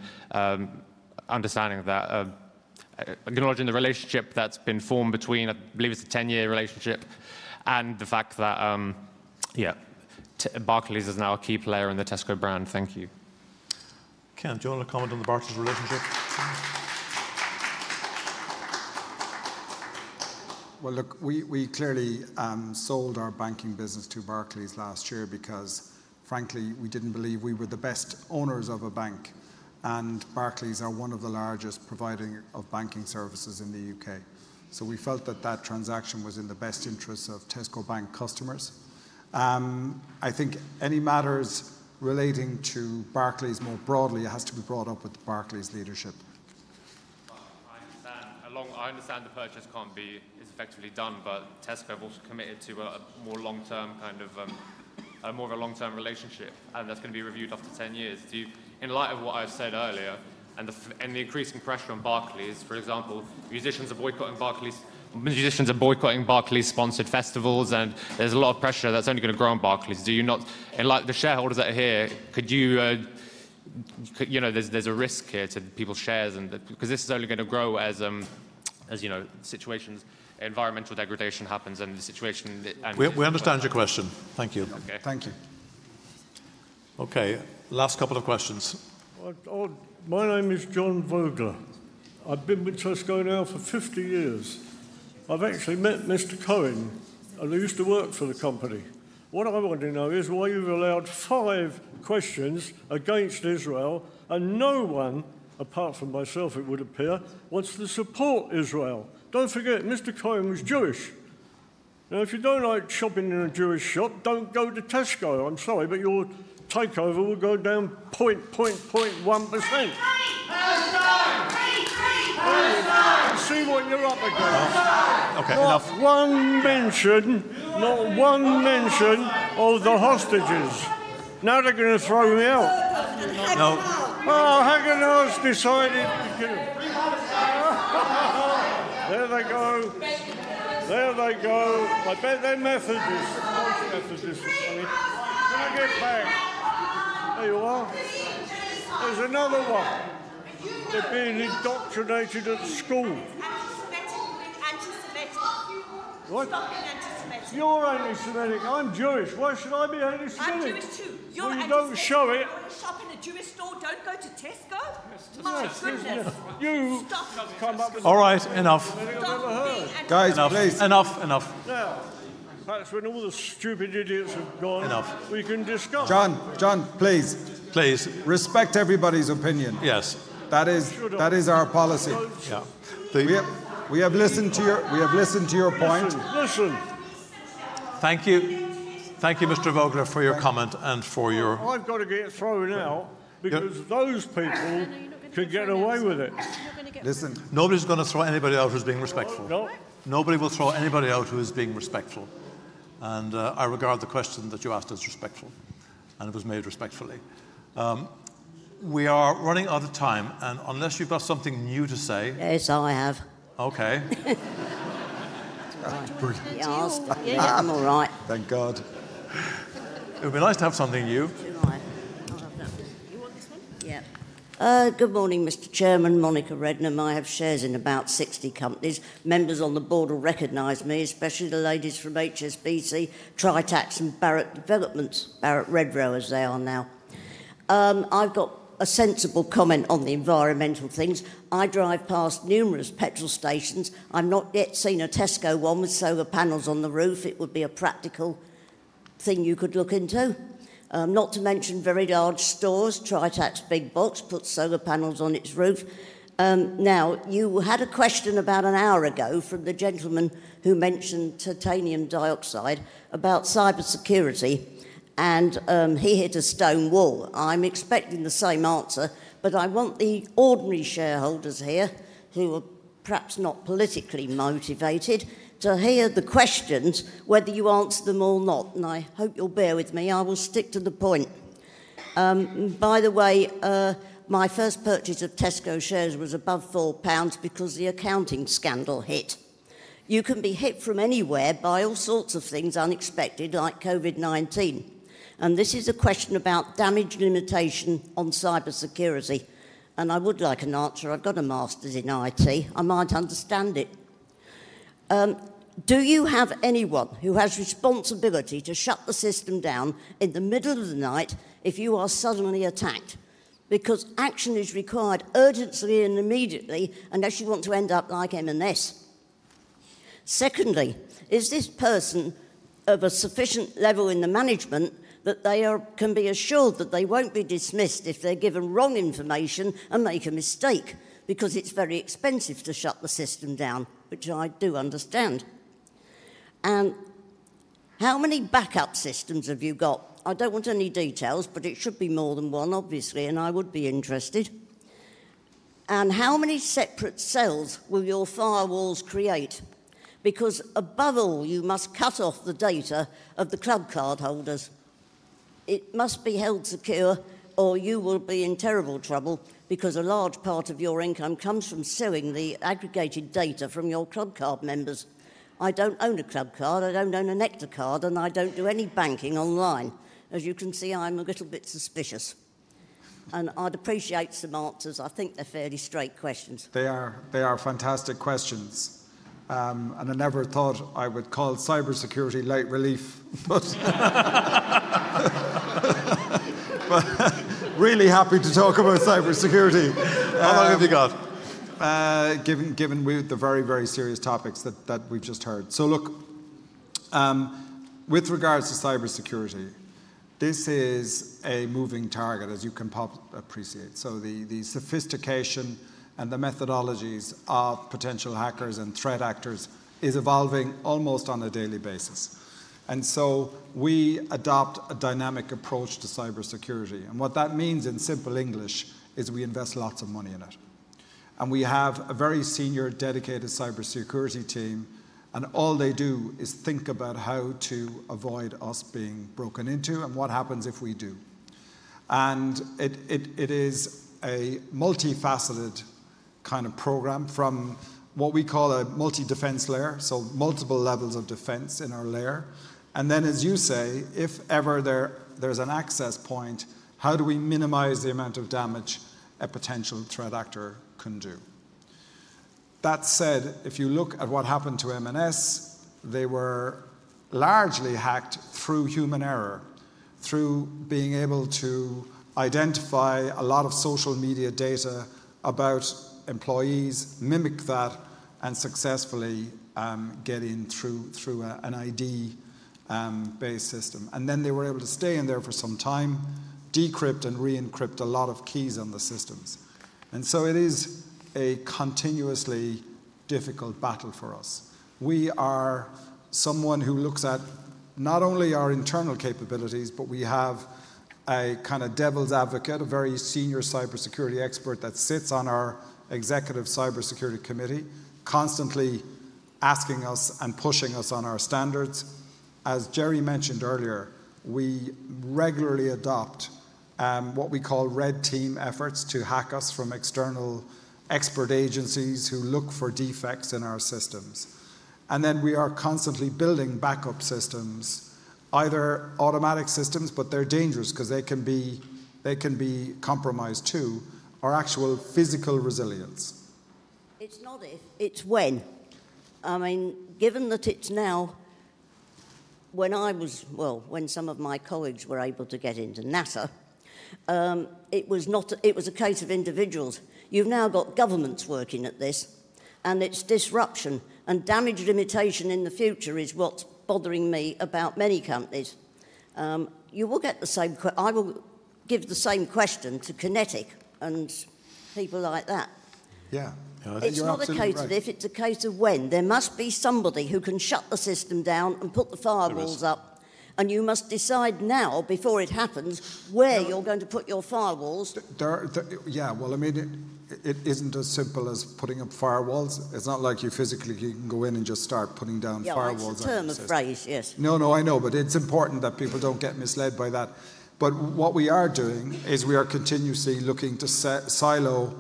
acknowledging the relationship that's been formed between, I believe it's a 10-year relationship, and the fact that, yeah, Barclays is now a key player in the Tesco brand? Thank you. Can Joel comment on the Barclays relationship? Look, we clearly sold our banking business to Barclays last year because, frankly, we didn't believe we were the best owners of a bank. Barclays are one of the largest providers of banking services in the U.K. We felt that that transaction was in the best interests of Tesco Bank customers. I think any matters relating to Barclays more broadly have to be brought up with Barclays leadership. I understand the purchase can't be effectively done, but Tesco have also committed to a more long-term kind of more of a long-term relationship, and that's going to be reviewed after 10 years. In light of what I've said earlier and the increasing pressure on Barclays, for example, musicians are boycotting Barclays-sponsored festivals, and there's a lot of pressure that's only going to grow on Barclays. In light of the shareholders that are here, there's a risk here to people's shares because this is only going to grow as situations, environmental degradation happens, and the situation. We understand your question. Thank you. Okay. Thank you. Okay, last couple of questions. My name is Joel Vogler. I've been with Tesco now for 50 years. I've actually met Mr. Curran, and I used to work for the company. What I want to know is why you've allowed five questions against Israel, and no one, apart from myself, it would appear, wants to support Israel. Don't forget, Mr. Curran was Jewish. Now, if you don't like shopping in a Jewish shop, don't go to Tesco. I'm sorry, but your takeover will go down 0.1%. Palestine! Palestine! Palestine! See what you're up against. Okay, enough. One mention, not one mention of the hostages. Now they're going to throw me out. Oh, how can I have decided to kill them? There they go. I bet they're Methodists. Can I get back? There you are. There's another one. They're being indoctrinated at school. Antisemitic, stopping antisemitic. You're antisemitic. I'm Jewish. Why should I be antisemitic? I'm Jewish too. You're antisemitic. Don't show it. You're only shopping a Jewish store. Don't go to Tesco. My goodness. You come up. All right, enough. I've never heard. Guys, enough. Now, perhaps when all the stupid idiots have gone, we can discuss. John, please. Please, respect everybody's opinion. Yes. That is our policy. Yeah. We have listened to your point. Listen. Thank you. Thank you, Mr. Vogler, for your comment and for your. I've got to get through now because those people can get away with it. Listen, nobody's going to throw anybody out who's being respectful. Nobody will throw anybody out who is being respectful. I regard the question that you asked as respectful, and it was made respectfully. We are running out of time, and unless you've got something new to say. That's all I have. Okay. I'm all right. Thank God. It would be nice to have something new. You're right. I'll have that one. You want this one? Yeah. Good morning, Mr. Chairman. Monica Redner. I have shares in about 60 companies. Members on the board will recognize me, especially the ladies from HSBC, Tritax, and Barratt Developments, Barratt Redrow as they are now. I've got a sensible comment on the environmental things. I drive past numerous petrol stations. I've not yet seen a Tesco one with solar panels on the roof. It would be a practical thing you could look into. Not to mention very large stores. Tritax Big Box puts solar panels on its roof. You had a question about an hour ago from the gentleman who mentioned titanium dioxide about cybersecurity, and he hit a stone wall. I'm expecting the same answer, but I want the ordinary shareholders here, who are perhaps not politically motivated, to hear the questions, whether you answer them or not. I hope you'll bear with me. I will stick to the point. By the way, my first purchase of Tesco shares was above 4 pounds because the accounting scandal hit. You can be hit from anywhere by all sorts of things unexpected, like COVID-19. This is a question about damage limitation on cybersecurity. I would like an answer. I've got a master's in IT. I might understand it. Do you have anyone who has responsibility to shut the system down in the middle of the night if you are suddenly attacked? Because action is required urgently and immediately, unless you want to end up like M&S. Secondly, is this person of a sufficient level in the management that they can be assured that they won't be dismissed if they're given wrong information and make a mistake? Because it's very expensive to shut the system down, which I do understand. How many backup systems have you got? I do not want any details, but it should be more than one, obviously, and I would be interested. How many separate cells will your firewalls create? Because above all, you must cut off the data of the Clubcard holders. It must be held secure, or you will be in terrible trouble because a large part of your income comes from selling the aggregated data from your Clubcard members. I do not own a Clubcard. I do not own a Nectar card, and I do not do any banking online. As you can see, I am a little bit suspicious. I would appreciate some answers. I think they are fairly straight questions. They are fantastic questions. I never thought I would call cybersecurity light relief. Really happy to talk about cybersecurity. How long have you got? Given the very, very serious topics that we've just heard. Look, with regards to cybersecurity, this is a moving target, as you can appreciate. The sophistication and the methodologies of potential hackers and threat actors is evolving almost on a daily basis. We adopt a dynamic approach to cybersecurity. What that means in simple English is we invest lots of money in it. We have a very senior dedicated cybersecurity team, and all they do is think about how to avoid us being broken into and what happens if we do. It is a multifaceted kind of program from what we call a multi-defense layer, so multiple levels of defense in our layer. Then, as you say, if ever there's an access point, how do we minimize the amount of damage a potential threat actor can do? That said, if you look at what happened to M&S, they were largely hacked through human error, through being able to identify a lot of social media data about employees, mimic that, and successfully get in through an ID-based system. They were able to stay in there for some time, decrypt and re-encrypt a lot of keys on the systems. It is a continuously difficult battle for us. We are someone who looks at not only our internal capabilities, but we have a kind of devil's advocate, a very senior cybersecurity expert that sits on our executive cybersecurity committee, constantly asking us and pushing us on our standards. As Gerry mentioned earlier, we regularly adopt what we call red team efforts to hack us from external expert agencies who look for defects in our systems. We are constantly building backup systems, either automatic systems, but they're dangerous because they can be compromised too, or actual physical resilience. It's not if, it's when. I mean, given that it's now, when I was, well, when some of my colleagues were able to get into NASA, it was a case of individuals. You've now got governments working at this, and it's disruption and damage limitation in the future is what's bothering me about many companies. You will get the same question. I will give the same question to Kinetic and people like that. Yeah. It's not a case of if, it's a case of when. There must be somebody who can shut the system down and put the firewalls up. You must decide now, before it happens, where you're going to put your firewalls. Yeah, I mean, it isn't as simple as putting up firewalls. It's not like you physically can go in and just start putting down firewalls. Yeah, it's a turn of phrase, yes. No, no, I know, but it's important that people don't get misled by that. What we are doing is we are continuously looking to silo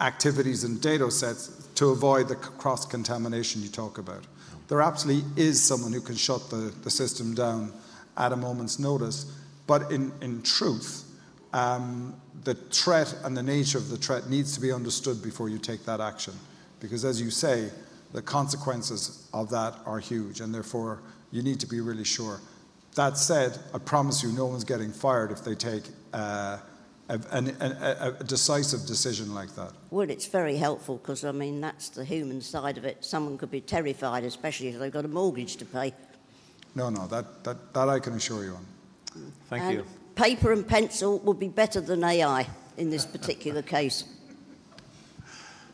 activities and data sets to avoid the cross-contamination you talk about. There absolutely is someone who can shut the system down at a moment's notice. In truth, the threat and the nature of the threat need to be understood before you take that action. Because, as you say, the consequences of that are huge, and therefore, you need to be really sure. That said, I promise you no one's getting fired if they take a decisive decision like that. It is very helpful because, I mean, that's the human side of it. Someone could be terrified, especially if they've got a mortgage to pay. No, no, that I can assure you on. Thank you. Paper and pencil will be better than AI in this particular case.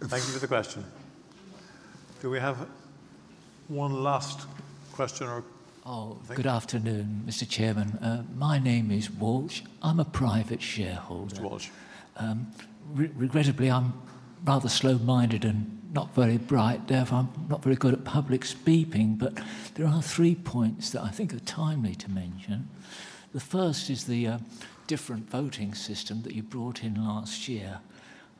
Thank you for the question. Do we have one last question? Oh, good afternoon, Mr. Chairman. My name is Walsh. I'm a private shareholder. Mr. Walsh. Regrettably, I'm rather slow-minded and not very bright. Therefore, I'm not very good at public speaking, but there are three points that I think are timely to mention. The first is the different voting system that you brought in last year.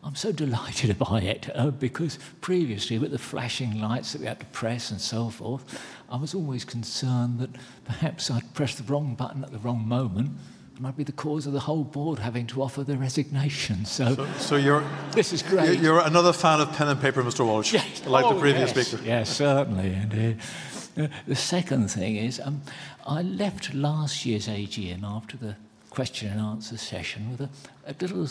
I'm so delighted by it because previously, with the flashing lights that we had to press and so forth, I was always concerned that perhaps I'd pressed the wrong button at the wrong moment. It might be the cause of the whole board having to offer the resignation. So you're. This is great. You're another fan of pen and paper, Mr. Walsh. Yes. Like the previous speaker. Yes, certainly. The second thing is I left last year's AGM after the question and answer session with a little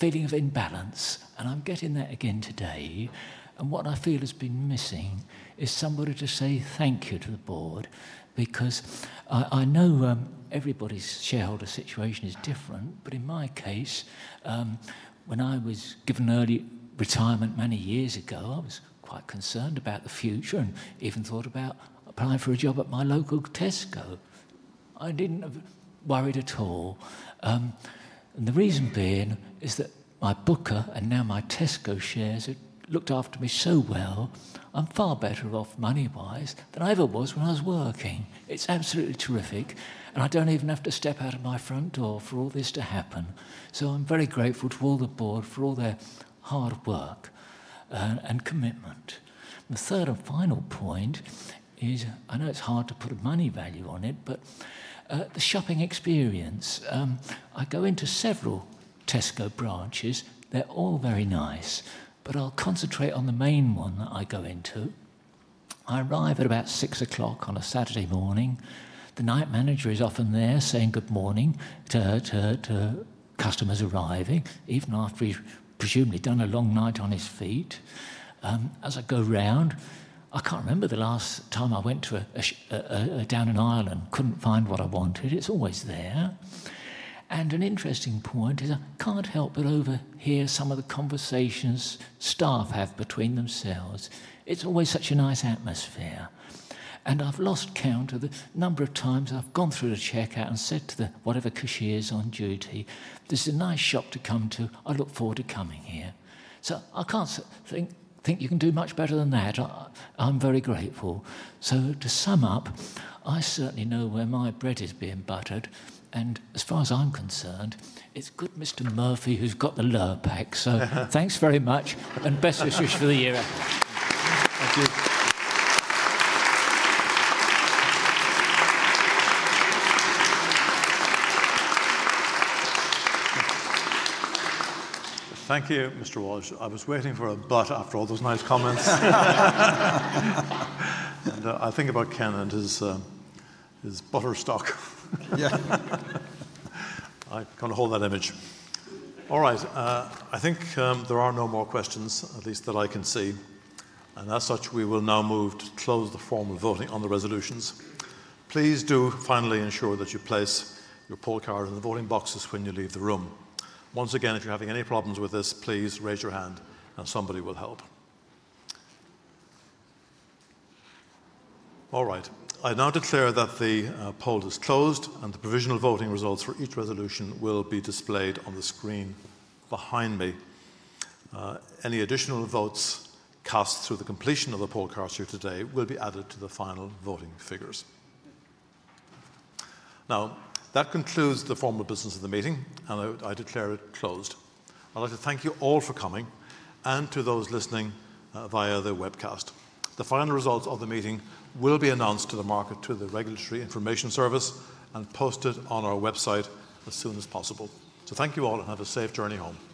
feeling of imbalance, and I'm getting that again today. What I feel has been missing is somebody to say thank you to the board because I know everybody's shareholder situation is different, but in my case, when I was given early retirement many years ago, I was quite concerned about the future and even thought about applying for a job at my local Tesco. I didn't worry at all. The reason being is that my Booker and now my Tesco shares have looked after me so well. I'm far better off money-wise than I ever was when I was working. It's absolutely terrific. I don't even have to step out of my front door for all this to happen. I'm very grateful to all the board for all their hard work and commitment. The third and final point is I know it's hard to put a money value on it, but the shopping experience. I go into several Tesco branches. They're all very nice, but I'll concentrate on the main one that I go into. I arrive at about 6:00 A.M. on a Saturday morning. The night manager is often there saying good morning to customers arriving, even after he's presumably done a long night on his feet. As I go around, I can't remember the last time I went down an aisle and couldn't find what I wanted. It's always there. An interesting point is I can't help but overhear some of the conversations staff have between themselves. It's always such a nice atmosphere. I've lost count of the number of times I've gone through to check out and said to whatever cashier is on duty, "This is a nice shop to come to. I look forward to coming here." I can't think you can do much better than that. I'm very grateful. To sum up, I certainly know where my bread is being buttered. As far as I'm concerned, it's good Mr. Murphy who's got the lower pack. Thanks very much and best wishes for the year. Thank you. Thank you, Mr. Walsh. I was waiting for a but after all those nice comments. I think about Ken and his butter stock. Yeah. I cannot hold that image. All right. I think there are no more questions, at least that I can see. As such, we will now move to close the formal voting on the resolutions. Please do finally ensure that you place your poll card in the voting boxes when you leave the room. Once again, if you are having any problems with this, please raise your hand and somebody will help. All right. I now declare that the poll is closed and the provisional voting results for each resolution will be displayed on the screen behind me. Any additional votes cast through the completion of the poll cards here today will be added to the final voting figures. Now, that concludes the formal business of the meeting, and I declare it closed. I'd like to thank you all for coming and to those listening via the webcast. The final results of the meeting will be announced to the market, to the Regulatory Information Service, and posted on our website as soon as possible. Thank you all and have a safe journey home.